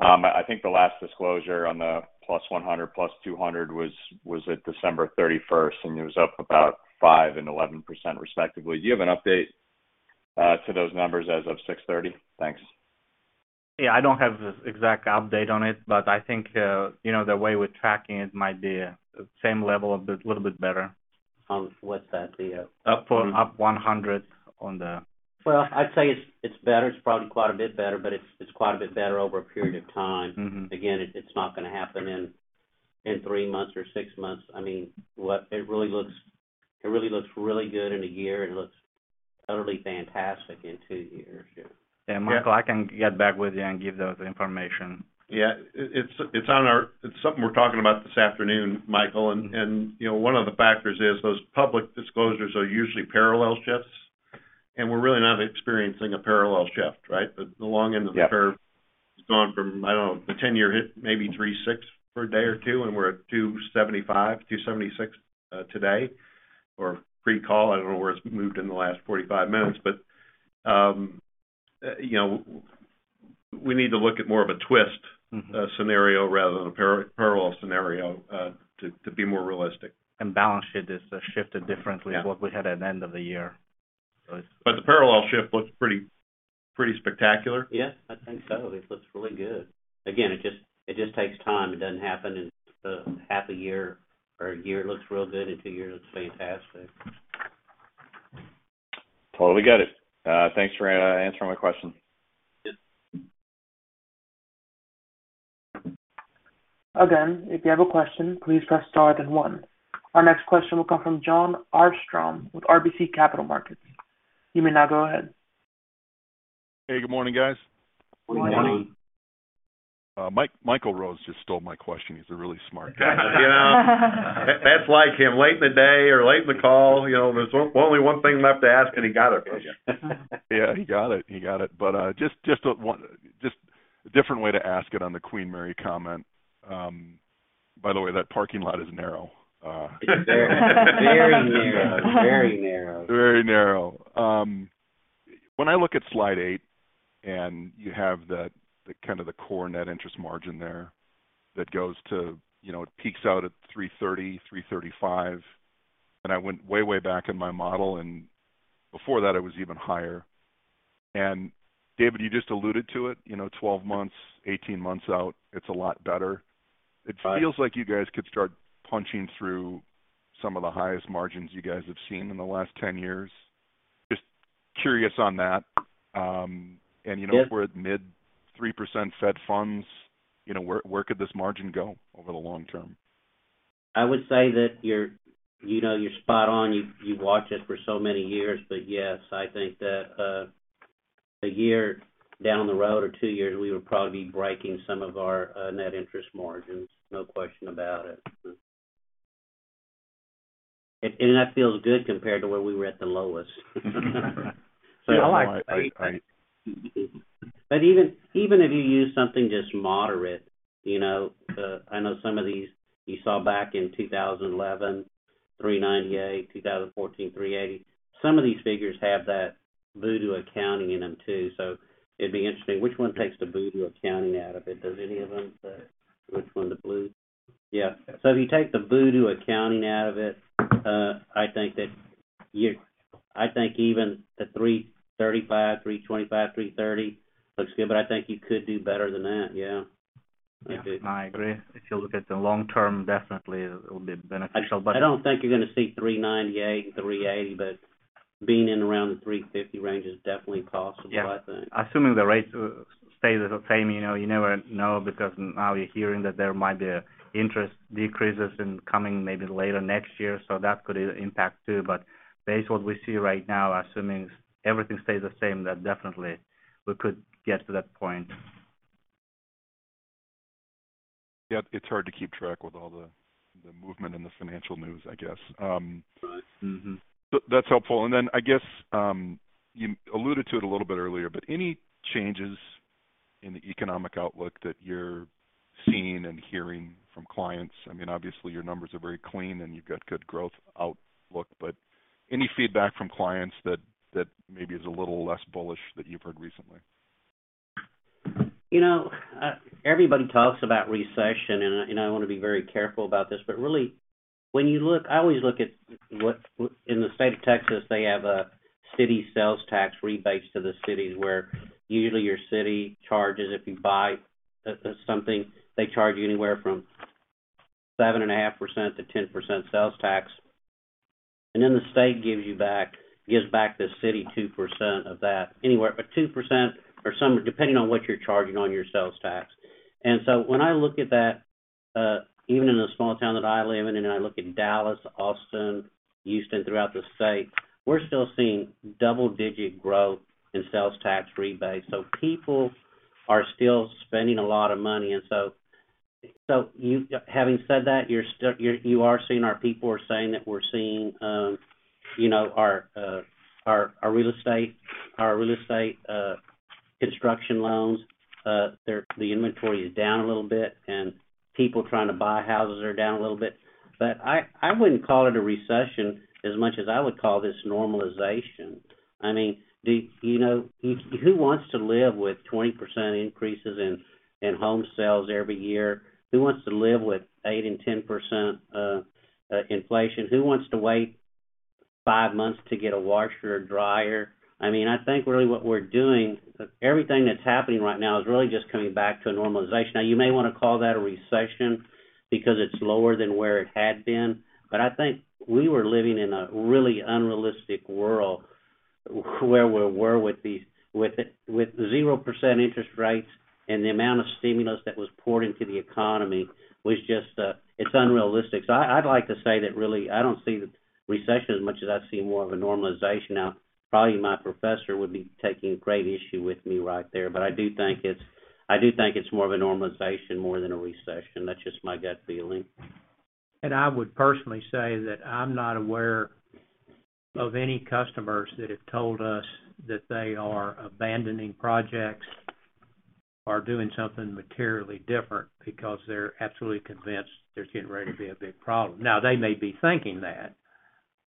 I think the last disclosure on the +100, +200 was at December 31st, and it was up about 5% and 11% respectively. Do you have an update to those numbers as of June 30? Thanks. Yeah, I don't have the exact update on it, but I think, you know, the way we're tracking it might be same level, a bit, little bit better. On what's that, the, uh- Up 100 on the- Well, I'd say it's better. It's probably quite a bit better, but it's quite a bit better over a period of time. Mm-hmm. Again, it's not gonna happen in three months or six months. I mean, it really looks really good in a year. It looks utterly fantastic in two years. Yeah, Michael, I can get back with you and give those information. Yeah. It's something we're talking about this afternoon, Michael. You know, one of the factors is those public disclosures are usually parallel shifts, and we're really not experiencing a parallel shift, right? The long end of the curve. Yeah Has gone from, I don't know, the 10-year hit maybe 3.6% for a day or two, and we're at 2.75%, 2.76%, today. Or pre-call, I don't know where it's moved in the last 45 minutes. You know, we need to look at more of a twist. Mm-hmm Scenario rather than a parallel scenario, to be more realistic. Balance sheet is shifted differently. Yeah To what we had at end of the year. The parallel shift looks pretty spectacular. Yeah, I think so. It looks really good. Again, it just takes time. It doesn't happen in half a year or a year. It looks real good. In two years, it looks fantastic. Totally get it. Thanks for answering my question. Again, if you have a question, please press star then one. Our next question will come from Jon Arfstrom with RBC Capital Markets. You may now go ahead. Hey, good morning, guys. Good morning. Good morning. Michael Rose just stole my question. He's a really smart guy. You know, that's like him. Late in the day or late in the call. You know, there's only one thing left to ask, and he got it from you. He got it. Just a different way to ask it on the Queen Mary comment. By the way, that parking lot is narrow. Very narrow. Very narrow. Very narrow. When I look at slide eight, and you have the kind of the core net interest margin there that goes to, you know, it peaks out at 3.30%, 3.35%, and I went way back in my model, and before that it was even higher. David, you just alluded to it, you know, 12 months, 18 months out, it's a lot better. Right. It feels like you guys could start punching through some of the highest margins you guys have seen in the last 10 years. Just curious on that. Yes We're at mid-3% Fed funds, you know, where could this margin go over the long term? I would say that you're, you know, you're spot on. You've watched it for so many years. Yes, I think that a year down the road or two years, we would probably be breaking some of our net interest margins, no question about it. That feels good compared to where we were at the lowest. I like it. Even if you use something just moderate, you know, I know some of these you saw back in 2011, 3.98%, 2014, 3.80%. Some of these figures have that voodoo accounting in them too. It'd be interesting, which one takes the voodoo accounting out of it? Does any of them? Which one? The blue? Yeah. If you take the voodoo accounting out of it, I think even the $3.35, $3.25, $3.30 looks good, but I think you could do better than that, yeah. Yeah, I agree. If you look at the long term, definitely it will be beneficial. I don't think you're gonna see 3.98% and 3.80%, but being in around the 3.50% range is definitely possible, I think. Yeah. Assuming the rates stay the same, you know, you never know because now you're hearing that there might be interest decreases in coming maybe later next year. That could impact too. Based what we see right now, assuming everything stays the same, then definitely we could get to that point. Yeah. It's hard to keep track with all the movement in the financial news, I guess. Right. Mm-hmm. That's helpful. I guess, you alluded to it a little bit earlier, but any changes in the economic outlook that you're seeing and hearing from clients? I mean, obviously, your numbers are very clean, and you've got good growth outlook, but any feedback from clients that maybe is a little less bullish that you've heard recently? You know, everybody talks about recession, and I wanna be very careful about this. Really, when you look, I always look at what in the state of Texas they have a city sales tax rebate to the cities where usually your city charges if you buy something, they charge you anywhere from 7.5%-10% sales tax. The state gives back the city 2% of that. Anywhere from 2% or so, depending on what you're charging on your sales tax. When I look at that, even in the small town that I live in, and I look at Dallas, Austin, Houston, throughout the state, we're still seeing double-digit growth in sales tax rebates. People are still spending a lot of money. Having said that, you are seeing our people are saying that we're seeing, you know, our real estate construction loans, the inventory is down a little bit, and people trying to buy houses are down a little bit. I wouldn't call it a recession as much as I would call this normalization. I mean, who wants to live with 20% increases in home sales every year? Who wants to live with 8% and 10% inflation? Who wants to wait five months to get a washer or dryer? I mean, I think really what we're doing, everything that's happening right now is really just coming back to a normalization. You may wanna call that a recession because it's lower than where it had been, but I think we were living in a really unrealistic world where we were with these zero percent interest rates and the amount of stimulus that was poured into the economy was just, it's unrealistic. I'd like to say that really, I don't see the recession as much as I see more of a normalization. Now, probably my professor would be taking great issue with me right there, but I do think it's more of a normalization more than a recession. That's just my gut feeling. I would personally say that I'm not aware of any customers that have told us that they are abandoning projects or doing something materially different because they're absolutely convinced there's getting ready to be a big problem. Now, they may be thinking that,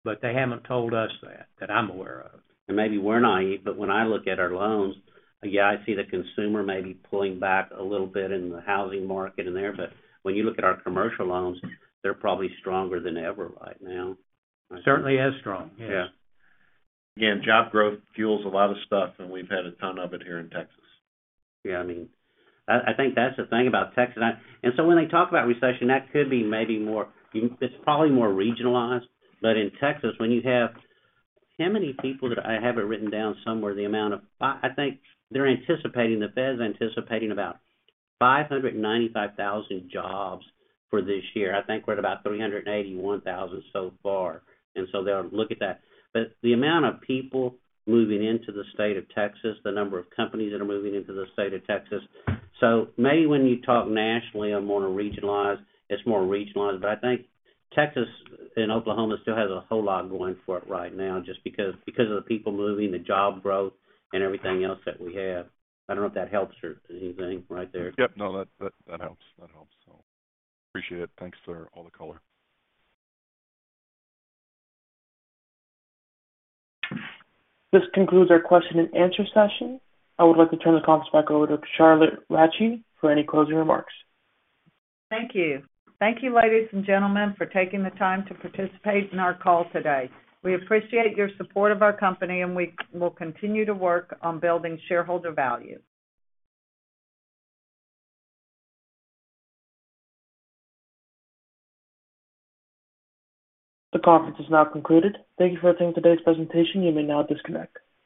but they haven't told us that I'm aware of. Maybe we're naive, but when I look at our loans, again, I see the consumer maybe pulling back a little bit in the housing market and there. When you look at our commercial loans, they're probably stronger than ever right now. Certainly as strong. Yes. Yeah. Again, job growth fuels a lot of stuff, and we've had a ton of it here in Texas. I mean, I think that's the thing about Texas. When they talk about recession, that could be maybe more. It's probably more regionalized. In Texas, I have it written down somewhere, the amount of. I think they're anticipating, the Fed's anticipating about 595,000 jobs for this year. I think we're at about 381,000 so far. They'll look at that. The amount of people moving into the state of Texas, the number of companies that are moving into the state of Texas. Maybe when you talk nationally or more regionalized, it's more regionalized. I think Texas and Oklahoma still has a whole lot going for it right now just because of the people moving, the job growth, and everything else that we have. I don't know if that helps or anything right there. Yep. No, that helps. That helps. Appreciate it. Thanks for all the color. This concludes our question and answer session. I would like to turn the conference back over to Charlotte Rasche for any closing remarks. Thank you. Thank you, ladies and gentlemen, for taking the time to participate in our call today. We appreciate your support of our company, and we will continue to work on building shareholder value. The conference is now concluded. Thank you for attending today's presentation. You may now disconnect.